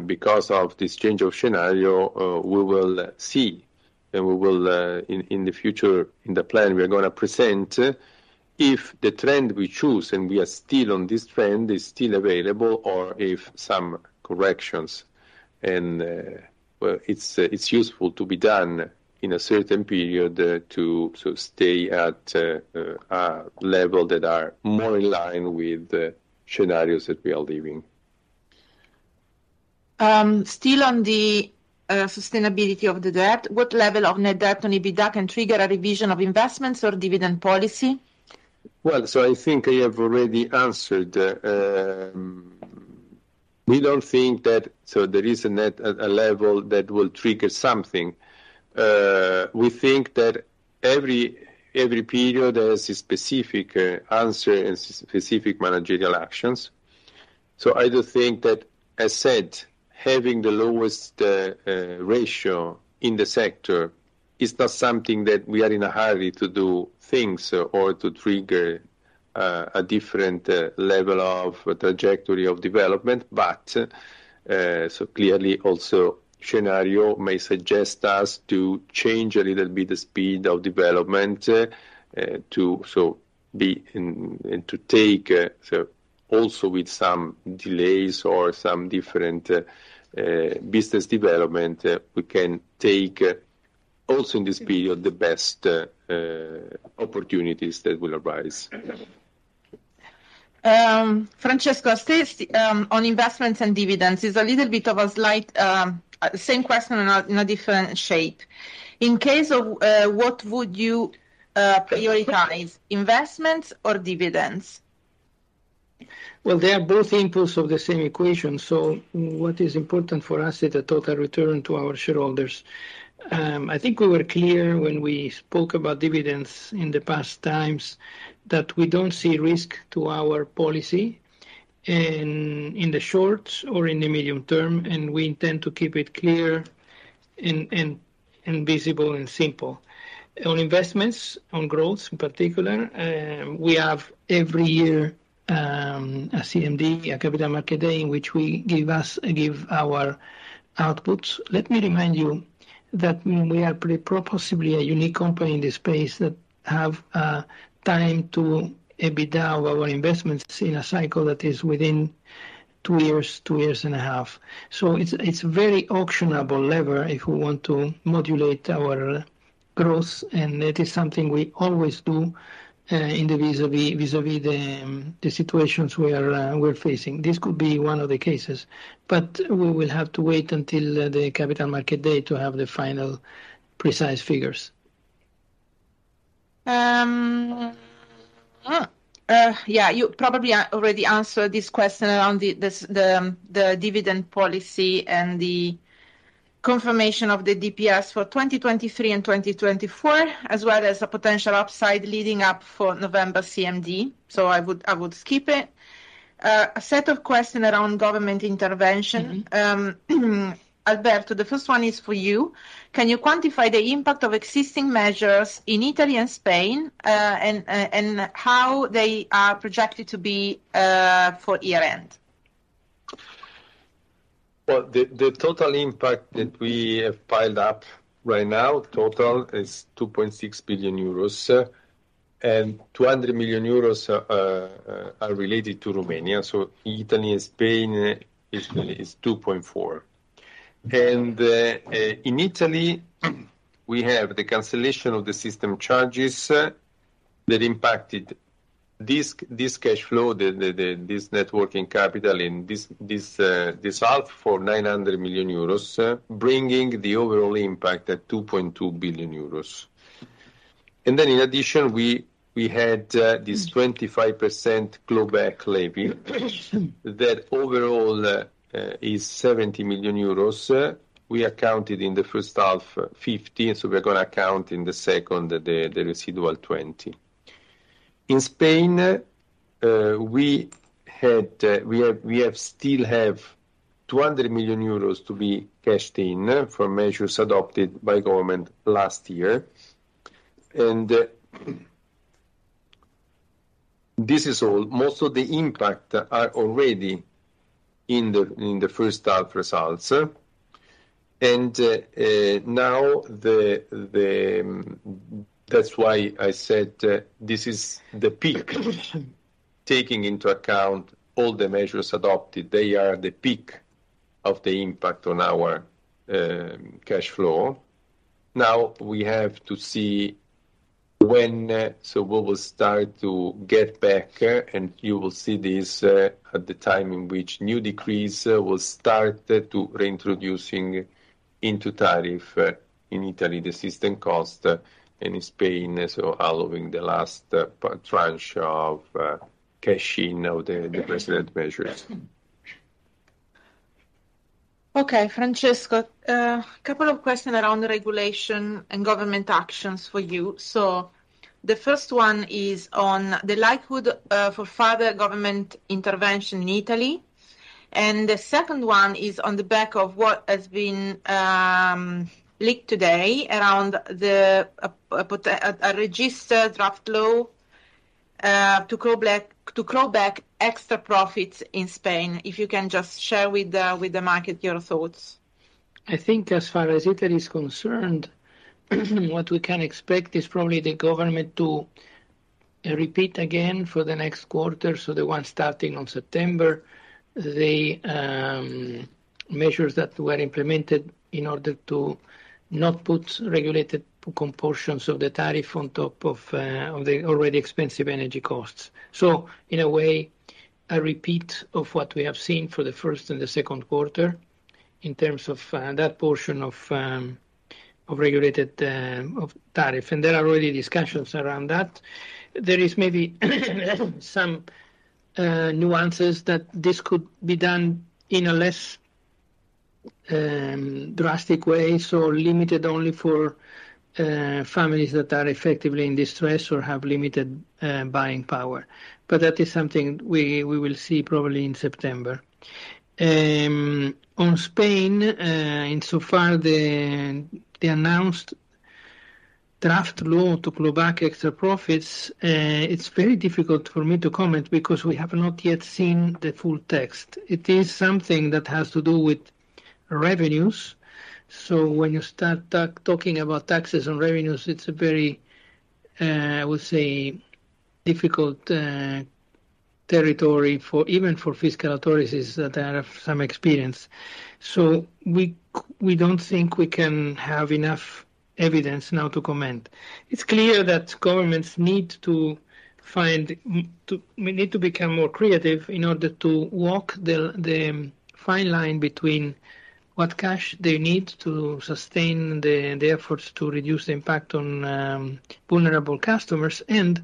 because of this change of scenario, we will see, and we will, in the future, in the plan we are gonna present, if the trend we choose, and we are still on this trend, is still available or if some corrections and, well, it's useful to be done in a certain period to stay at a level that are more in line with the scenarios that we are living. Still on the sustainability of the debt, what level of net debt on EBITDA can trigger a revision of investments or dividend policy? Well, I think I have already answered. We don't think that there is a net debt level that will trigger something. We think that every period has a specific answer and specific managerial actions. I do think that, as said, having the lowest ratio in the sector is not something that we are in a hurry to do things or to trigger a different level of trajectory of development. Clearly also scenario may suggest us to change a little bit the speed of development, and to take also with some delays or some different business development, we can take also in this period the best opportunities that will arise. Francesco, still on investments and dividends, it's a little bit of a slight same question in a different shape. What would you prioritize, investments or dividends? Well, they are both inputs of the same equation, so what is important for us is the total return to our shareholders. I think we were clear when we spoke about dividends in the past times that we don't see risk to our policy in the short or in the medium term, and we intend to keep it clear and visible and simple. On investments, on growth in particular, we have every year a CMD, a Capital Market Day in which we give our outputs. Let me remind you that we are pretty possibly a unique company in this space that have time to EBITDA our investments in a cycle that is within two years, two years and a half. It's very actionable lever if we want to modulate our growth, and it is something we always do in vis-à-vis the situations we're facing. This could be one of the cases. We will have to wait until the Capital Market Day to have the final precise figures. Yeah. You probably already answered this question around the dividend policy and the confirmation of the DPS for 2023 and 2024, as well as the potential upside leading up for November CMD, so I would skip it. A set of questions around government intervention. Mm-hmm. Alberto, the first one is for you. Can you quantify the impact of existing measures in Italy and Spain, and how they are projected to be for year-end? The total impact that we have piled up right now is 2.6 billion euros, and 200 million euros are related to Romania. Italy and Spain is 2.4. In Italy we have the cancellation of the system charges that impacted this cash flow, this net working capital and this half for 900 million euros, bringing the overall impact at 2.2 billion euros. In addition, we had this 25% clawback levy that overall is 70 million euros. We accounted in the first half 50, we are gonna account in the second the residual 20. In Spain, we have still 200 million euros to be cashed in from measures adopted by government last year. This is all. Most of the impact are already in the first half results. That's why I said this is the peak. Taking into account all the measures adopted, they are the peak of the impact on our cash flow. Now we have to see when, so we will start to get back, and you will see this at the time in which new decrees will start to reintroducing into tariff in Italy, the system cost, and in Spain, so allowing the last p-tranche of cash in of the previous measures. Okay, Francesco, couple of questions around regulation and government actions for you. The first one is on the likelihood for further government intervention in Italy. The second one is on the back of what has been leaked today around a registered draft law to clawback extra profits in Spain. If you can just share with the market your thoughts. I think as far as Italy is concerned, what we can expect is probably the government to repeat again for the next quarter, so the one starting on September, the measures that were implemented in order to not put regulated proportions of the tariff on top of the already expensive energy costs. In a way, a repeat of what we have seen for the first and the second quarter in terms of that portion of regulated tariff. There are already discussions around that. There is maybe some nuances that this could be done in a less drastic way, so limited only for families that are effectively in distress or have limited buying power. That is something we will see probably in September. On Spain, insofar as the announced draft law to clawback extra profits, it's very difficult for me to comment because we have not yet seen the full text. It is something that has to do with revenues. When you start talking about taxes and revenues, it's a very, I would say, difficult territory for even fiscal authorities that have some experience. We don't think we can have enough evidence now to comment. It's clear that governments need to become more creative in order to walk the fine line between what cash they need to sustain the efforts to reduce the impact on vulnerable customers and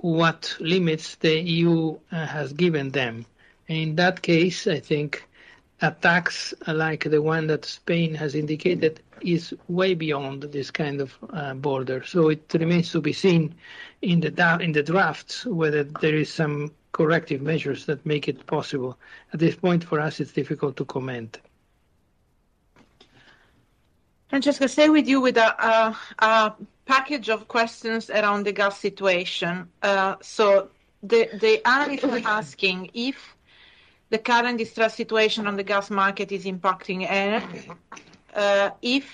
what limits the EU has given them. In that case, I think a tax like the one that Spain has indicated is way beyond this kind of border. It remains to be seen in the drafts whether there is some corrective measures that make it possible. At this point, for us, it's difficult to comment. Francesco, stay with you with a package of questions around the gas situation. So the analysts are asking if the current distress situation on the gas market is impacting our, if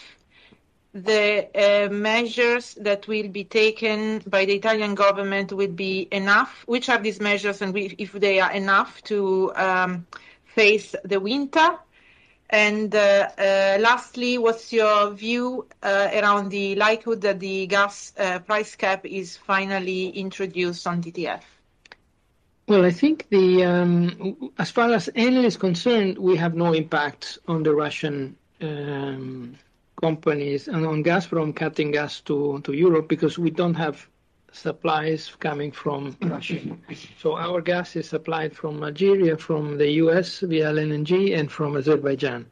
the measures that will be taken by the Italian government will be enough, what are these measures, and if they are enough to face the winter? Lastly, what's your view around the likelihood that the gas price cap is finally introduced on TTF? Well, I think as far as Enel is concerned, we have no impact on the Russian companies and on Gazprom cutting gas to Europe because we don't have supplies coming from Russia. Our gas is supplied from Algeria, from the U.S. via LNG, and from Azerbaijan,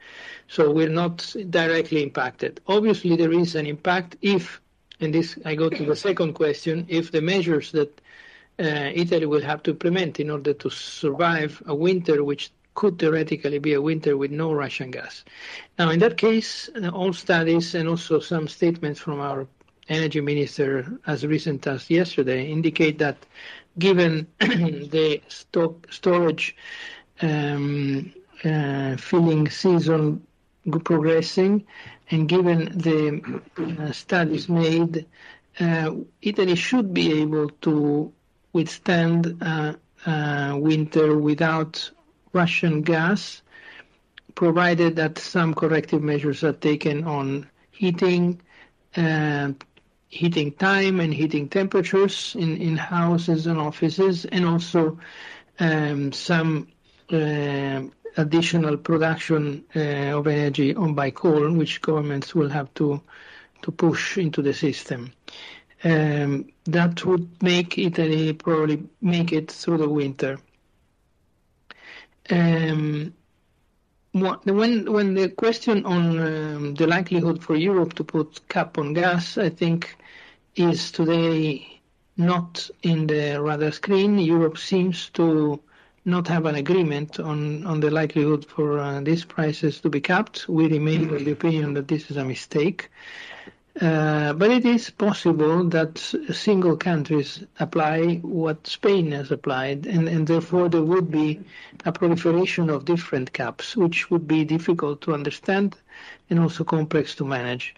so we're not directly impacted. Obviously, there is an impact if, and this I go to the second question, if the measures that Italy will have to implement in order to survive a winter, which could theoretically be a winter with no Russian gas. Now, in that case, all studies and also some statements from our energy minister as recent as yesterday indicate that given the storage filling season progressing, and given the studies made, Italy should be able to withstand a winter without Russian gas, provided that some corrective measures are taken on heating time and heating temperatures in houses and offices, and also, some additional production of energy by coal, which governments will have to push into the system. That would make Italy probably make it through the winter. When the question on the likelihood for Europe to put cap on gas, I think is today not on the radar screen. Europe seems to not have an agreement on the likelihood for these prices to be capped. We remain of the opinion that this is a mistake. It is possible that single countries apply what Spain has applied and therefore, there would be a proliferation of different caps, which would be difficult to understand and also complex to manage.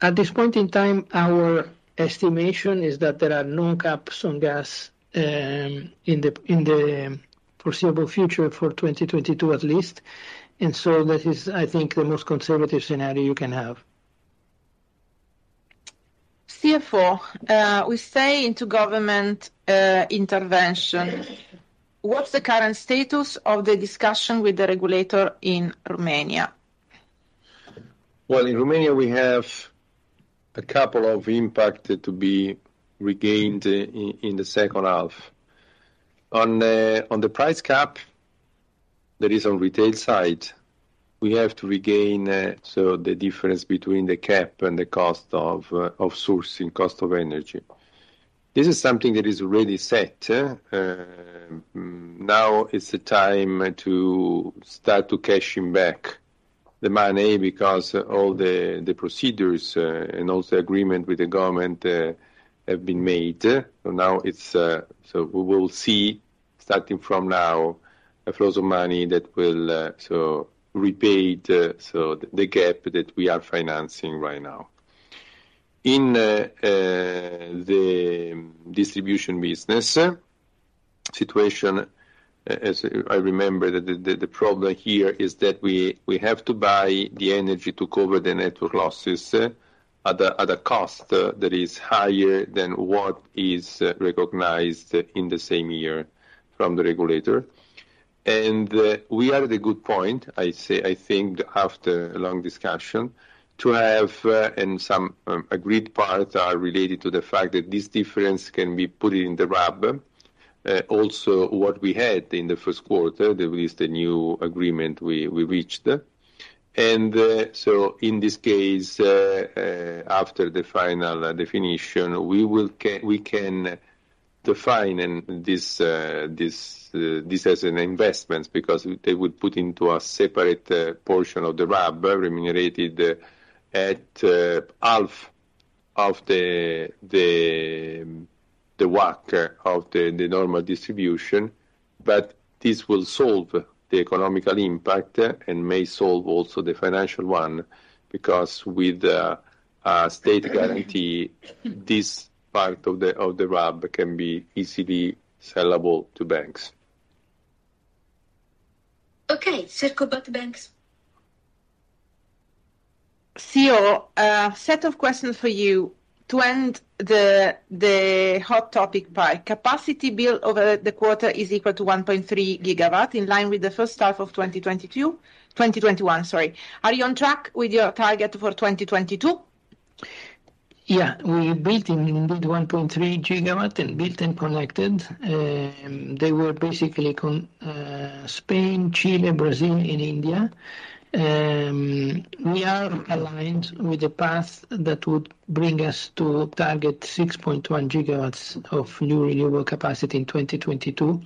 At this point in time, our estimation is that there are no caps on gas in the foreseeable future for 2022 at least. That is, I think, the most conservative scenario you can have. CFO, we stay attuned to government intervention. What's the current status of the discussion with the regulator in Romania? Well, in Romania, we have a couple of impacts to be regained in the second half. On the price cap, that is on retail side, we have to regain so the difference between the cap and the cost of sourcing cost of energy. This is something that is already set. Now is the time to start to cash in back the money because all the procedures and also agreement with the government have been made. Now we will see, starting from now, flows of money that will repay the gap that we are financing right now. In the distribution business, the situation, as I remember, the problem here is that we have to buy the energy to cover the network losses at a cost that is higher than what is recognized in the same year from the regulator. We are at a good point, I say, I think after a long discussion, to have and some agreed parts are related to the fact that this difference can be put in the RAB. Also what we had in the first quarter, there is the new agreement we reached. In this case, after the final definition, we can define this as an investment because they would put into a separate portion of the RAB remunerated at half of the WACC of the normal distribution. This will solve the economic impact, and may solve also the financial one, because with a state guarantee, this part of the RAB can be easily sellable to banks. Circo about the banks. CEO, a set of questions for you to end the hot topic by. Capacity build over the quarter is equal to 1.3 GW, in line with the first half of 2022, 2021, sorry. Are you on track with your target for 2022? Yeah. We built 1.3 GW installed and connected. They were basically connected in Spain, Chile, Brazil, and India. We are aligned with the path that would bring us to target 6.1 GW of new renewable capacity in 2022.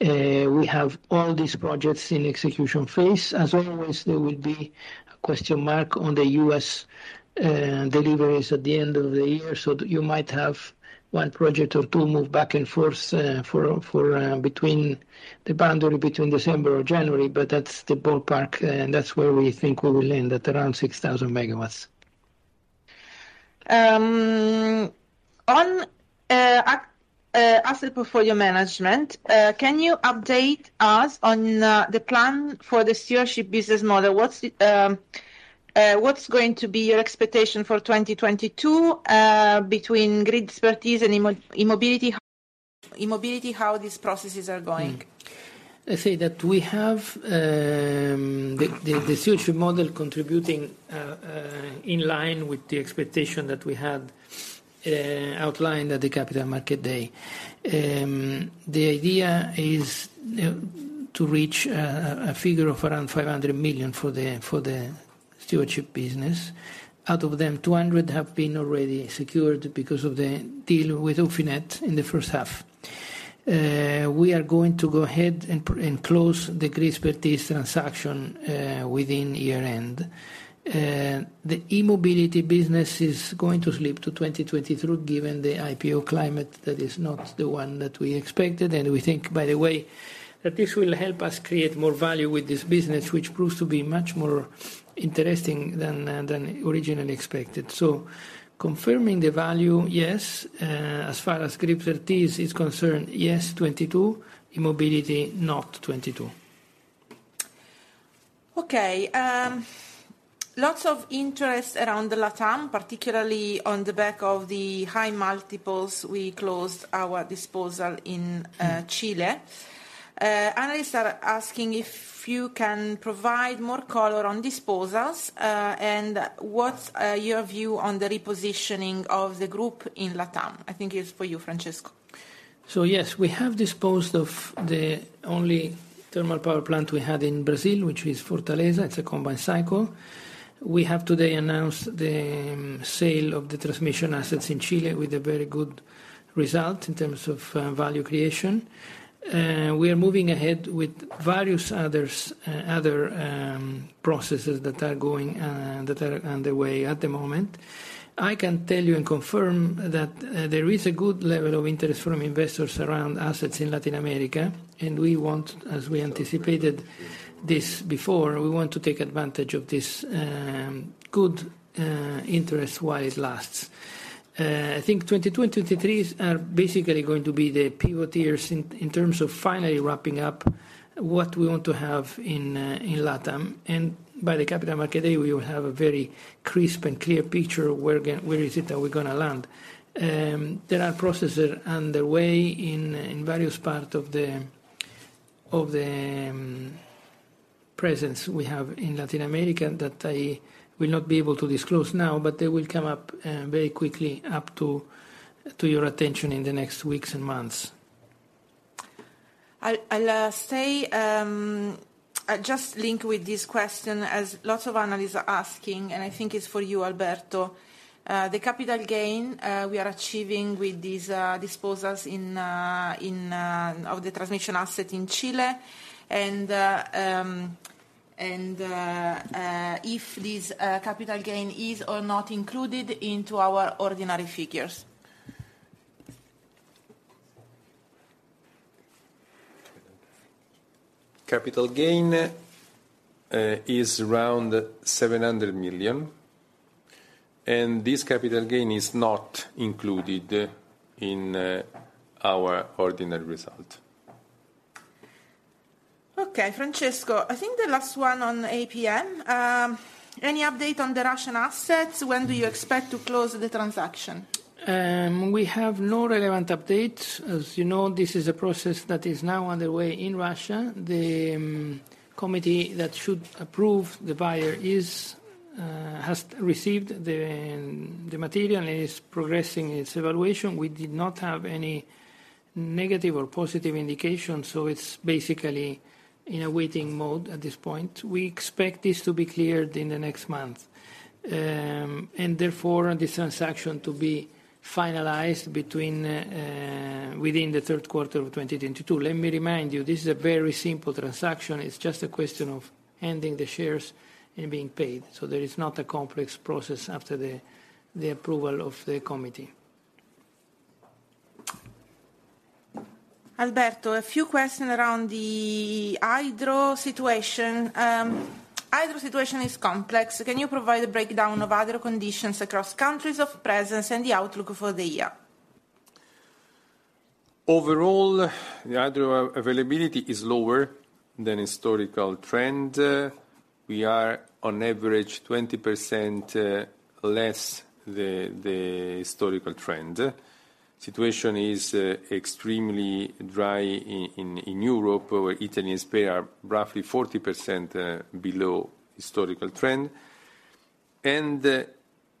We have all these projects in execution phase. As always, there will be a question mark on the U.S. deliveries at the end of the year, so you might have one project or two move back and forth between December or January, but that's the ballpark and that's where we think we will end at around 6,000 MW. On Asset Portfolio Management, can you update us on the plan for the stewardship business model? What's going to be your expectation for 2022, between Gridspertise and e-mobility? How these processes are going? I say that we have the Stewardship model contributing in line with the expectation that we had outlined at the Capital Market Day. The idea is to reach a figure of around 500 million for the Stewardship business. Out of them, 200 million have been already secured because of the deal with Ufinet in the first half. We are going to go ahead and close the Gridspertise transaction within year-end. The e-mobility business is going to slip to 2023, given the IPO climate that is not the one that we expected. We think, by the way, that this will help us create more value with this business, which proves to be much more interesting than originally expected. Confirming the value, yes. As far as Gridspertise is concerned, yes, 22. e-mobility, not 22. Okay. Lots of interest around the LATAM, particularly on the back of the high multiples we closed our disposal in Chile. Analysts are asking if you can provide more color on disposals, and what's your view on the repositioning of the group in LATAM? I think it's for you, Francesco. Yes, we have disposed of the only thermal power plant we had in Brazil, which is Fortaleza. It's a combined cycle. We have today announced the sale of the transmission assets in Chile with a very good result in terms of value creation. We are moving ahead with various other processes that are underway at the moment. I can tell you and confirm that there is a good level of interest from investors around assets in Latin America, and we want, as we anticipated this before, we want to take advantage of this good interest while it lasts. I think 2023 is basically going to be the pivot year in terms of finally wrapping up what we want to have in LATAM. By the Capital Market Day, we will have a very crisp and clear picture of where is it that we're gonna land. There are processes underway in various parts of the presence we have in Latin America that I will not be able to disclose now, but they will come up very quickly to your attention in the next weeks and months. I'll stick with this question as lots of analysts are asking, and I think it's for you, Alberto. The capital gain we are achieving with these disposals of the transmission asset in Chile and if this capital gain is or not included into our ordinary figures? Capital gain is around 700 million, and this capital gain is not included in our ordinary result. Okay. Francesco, I think the last one on APM. Any update on the Russian assets? When do you expect to close the transaction? We have no relevant updates. As you know, this is a process that is now underway in Russia. The committee that should approve the buyer has received the material and is progressing its evaluation. We did not have any negative or positive indication, so it's basically in a waiting mode at this point. We expect this to be cleared in the next month. Therefore, the transaction to be finalized within the third quarter of 2022. Let me remind you, this is a very simple transaction. It's just a question of handing the shares and being paid. There is not a complex process after the approval of the committee. Alberto, a few questions around the hydro situation. Hydro situation is complex. Can you provide a breakdown of hydro conditions across countries of presence and the outlook for the year? Overall, the hydro availability is lower than historical trend. We are on average 20% less than the historical trend. The situation is extremely dry in Europe, where Italy and Spain are roughly 40% below historical trend.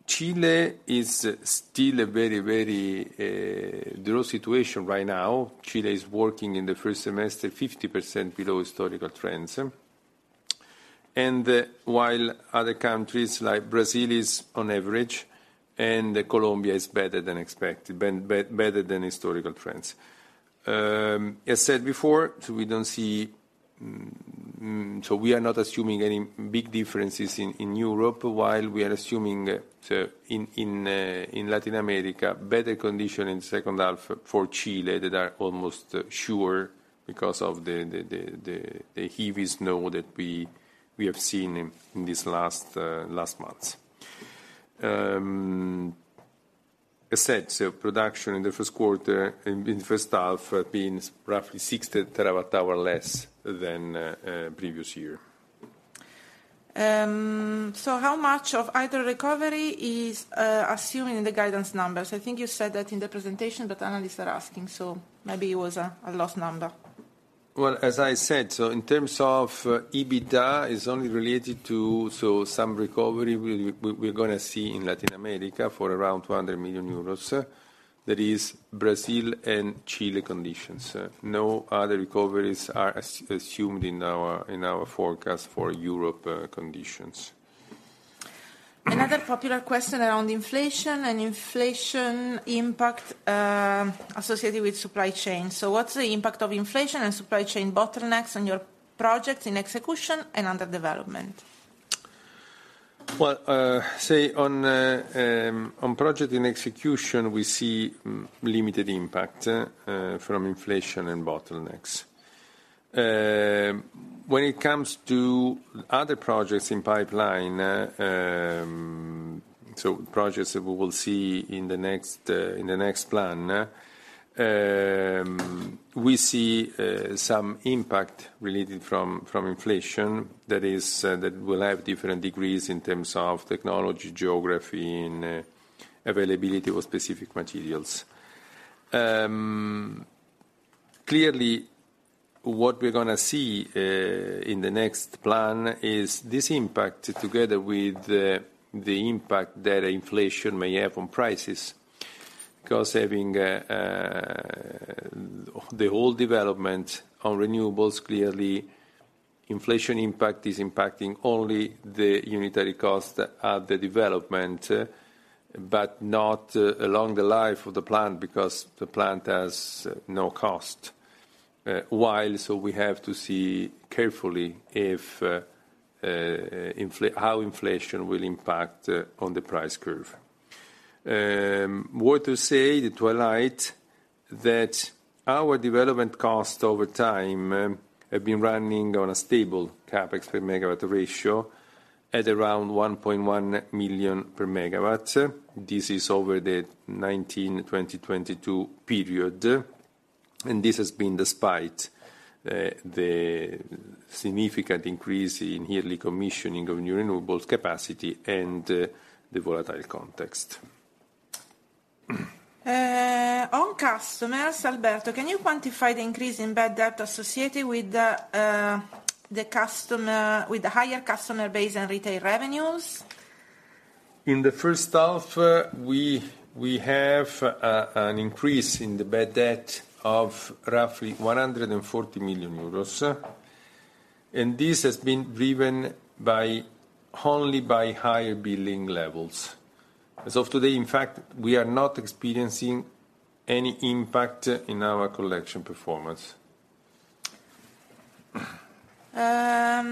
Chile is still a very low situation right now. Chile is working in the first semester 50% below historical trends. While other countries like Brazil is on average, and Colombia is better than expected, better than historical trends. As said before, we don't see, so we are not assuming any big differences in Europe, while we are assuming, so in Latin America, better condition in second half for Chile that we are almost sure because of the El Niño that we have seen in these last months. Net generation in the first quarter, in first half have been roughly 60 TWh less than previous year. How much of either recovery is assuming the guidance numbers? I think you said that in the presentation, but analysts are asking, so maybe it was a lost number. Well, as I said, in terms of EBITDA, it's only related to some recovery we're gonna see in Latin America for around 200 million euros. That is Brazil and Chile conditions. No other recoveries are assumed in our forecast for Europe conditions. Another popular question around inflation and inflation impact, associated with supply chain. What's the impact of inflation and supply chain bottlenecks on your projects in execution and under development? On projects in execution, we see limited impact from inflation and bottlenecks. When it comes to other projects in pipeline, projects that we will see in the next plan, we see some impact related to inflation that will have different degrees in terms of technology, geography, and availability of specific materials. Clearly, what we're gonna see in the next plan is this impact together with the impact that inflation may have on prices. Because having the whole development on renewables, clearly inflation impact is impacting only the unitary cost at the development, but not along the life of the plant, because the plant has no cost. We have to see carefully how inflation will impact on the price curve. What to say to highlight that our development cost over time have been running on a stable CapEx per megawatt ratio at around 1.1 million per megawatt. This is over the 2019-2022 period. This has been despite the significant increase in yearly commissioning of new renewables capacity and the volatile context. On customers, Alberto, can you quantify the increase in bad debt associated with the higher customer base and retail revenues? In the first half, we have an increase in the bad debt of roughly 140 million euros. This has been driven only by higher billing levels. As of today, in fact, we are not experiencing any impact in our collection performance. Sorry,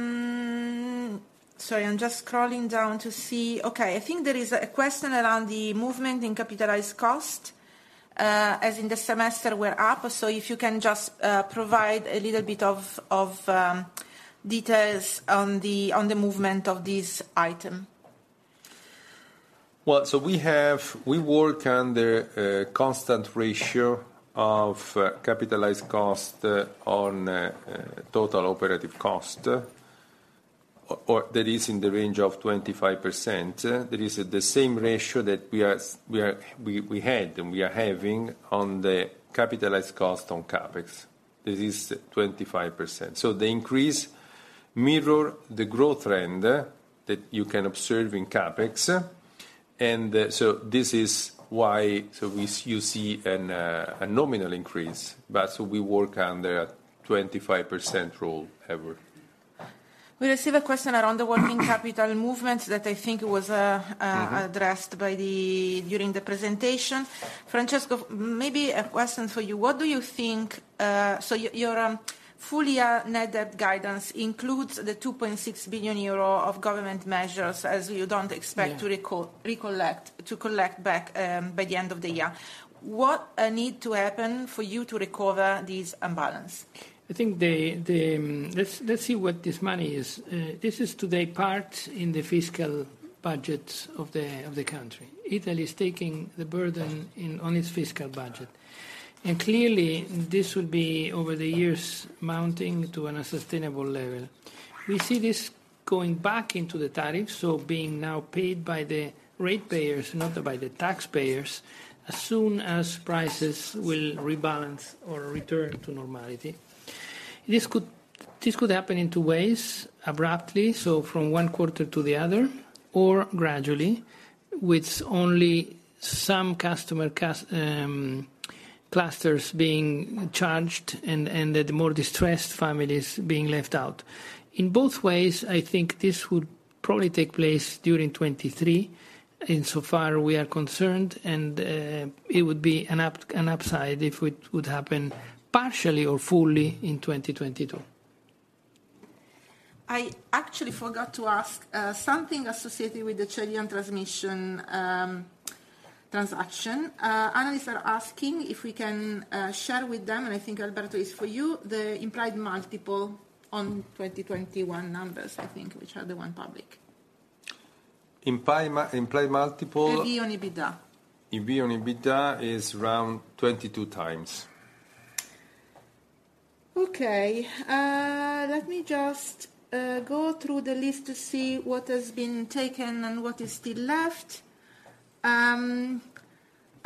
I'm just scrolling down to see. Okay, I think there is a question around the movement in capitalized cost, as in the semester we're up. If you can just provide a little bit of details on the movement of this item. We work under a constant ratio of capitalized cost on total operating cost that is in the range of 25%. That is the same ratio that we had and we are having on the capitalized cost on CapEx. This is 25%. The increase mirrors the growth trend that you can observe in CapEx. This is why you see a nominal increase. We work under a 25% rule ever. We received a question around the working capital movement that I think was addressed during the presentation. Francesco, maybe a question for you. What do you think. Your full year net debt guidance includes the 2.6 billion euro of government measures, as you don't expect- Yeah. To recollect, to collect back, by the end of the year. What need to happen for you to recover this imbalance? I think the. Let's see what this money is. This is today part in the fiscal budget of the country. Italy is taking the burden in on its fiscal budget. Clearly, this would be over the years mounting to an unsustainable level. We see this going back into the tariff, so being now paid by the rate payers, not by the taxpayers, as soon as prices will rebalance or return to normality. This could happen in two ways, abruptly, so from one quarter to the other, or gradually, with only some customer clusters being charged and the more distressed families being left out. In both ways, I think this would probably take place during 2023, insofar as we are concerned, and it would be an upside if it would happen partially or fully in 2022. I actually forgot to ask something associated with the Chilean transmission transaction. Analysts are asking if we can share with them, and I think Alberto it's for you, the implied multiple on 2021 numbers, I think, which are the only public. Implied multiple. EBIT on EBITDA. EBIT on EBITDA is around 22x. Okay. Let me just go through the list to see what has been taken and what is still left.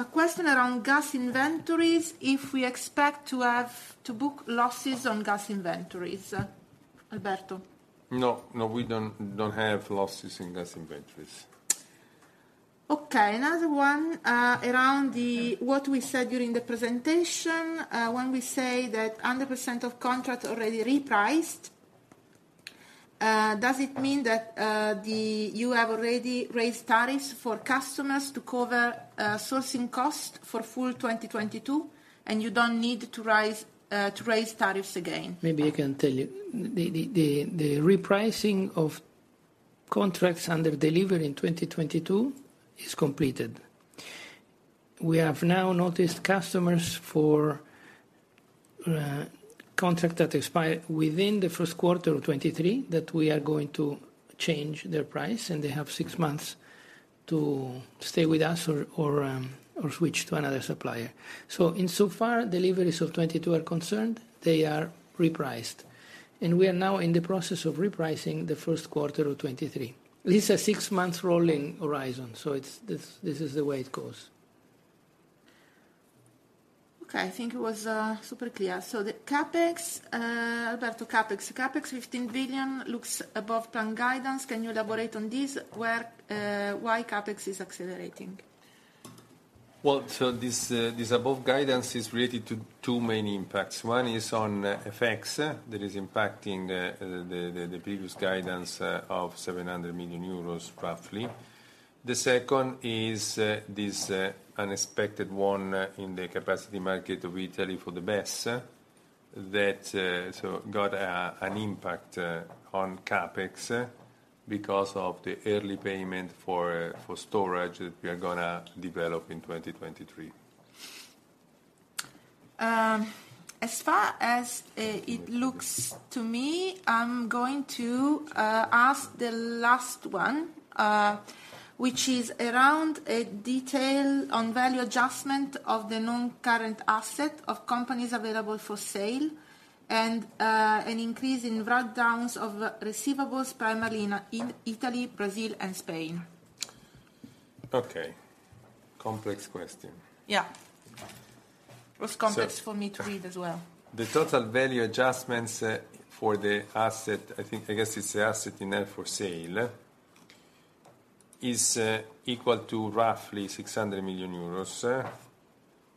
A question around gas inventories, if we expect to have to book losses on gas inventories. Alberto. No, we don't have losses in gas inventories. Okay. Another one, around what we said during the presentation, when we say that hundred percent of contract already repriced. Does it mean that you have already raised tariffs for customers to cover sourcing costs for full 2022, and you don't need to raise tariffs again? Maybe I can tell you. The repricing of contracts under delivery in 2022 is completed. We have now noticed customers for contract that expire within the first quarter of 2023, that we are going to change their price, and they have six months to stay with us or switch to another supplier. Insofar deliveries of 2022 are concerned, they are repriced. We are now in the process of repricing the first quarter of 2023. This is a six-month rolling horizon, so it's this is the way it goes. Okay. I think it was super clear. The CapEx, Alberto, 15 billion looks above long-term guidance. Can you elaborate on this? Why CapEx is accelerating? Well, this above guidance is related to two main impacts. One is on FX that is impacting the previous guidance of 700 million euros roughly. The second is this unexpected one in the capacity market of Italy for the BESS that got an impact on CapEx because of the early payment for storage that we are gonna develop in 2023. As far as it looks to me, I'm going to ask the last one, which is around a detail on value adjustment of the non-current asset of companies available for sale and an increase in write-downs of receivables primarily in Italy, Brazil, and Spain. Okay. Complex question. Yeah. It was complex for me to read as well. The total value adjustments for the asset, I think, I guess it's the assets held for sale, is equal to roughly 600 million euros.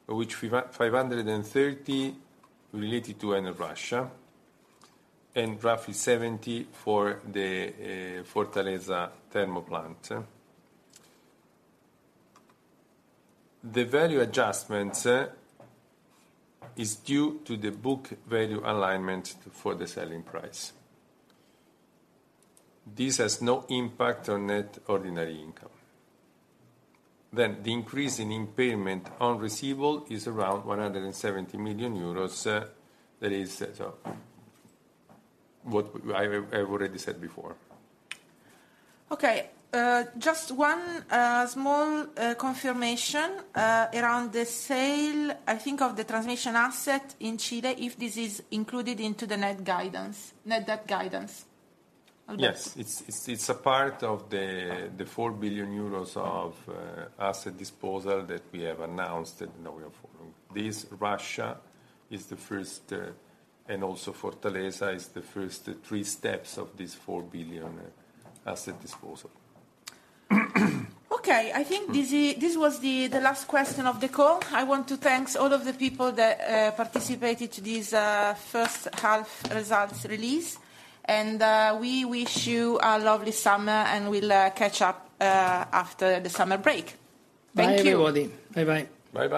Which 530 related to Enel Russia, and roughly 70 for the Fortaleza thermal plant. The value adjustments is due to the book value alignment for the selling price. This has no impact on net ordinary income. The increase in impairment on receivable is around 170 million euros. That is what I have already said before. Okay. Just one small confirmation around the sale, I think, of the transmission asset in Chile, if this is included into the net guidance, net debt guidance. Alberto. It's a part of the 4 billion euros of asset disposal that we have announced, and now we have Enel Russia is the first, and also Fortaleza is the first three steps of this 4 billion asset disposal. Okay. I think this was the last question of the call. I want to thank all of the people that participated to this first half results release. We wish you a lovely summer, and we'll catch up after the summer break. Thank you. Bye everybody. Bye-bye. Bye-bye.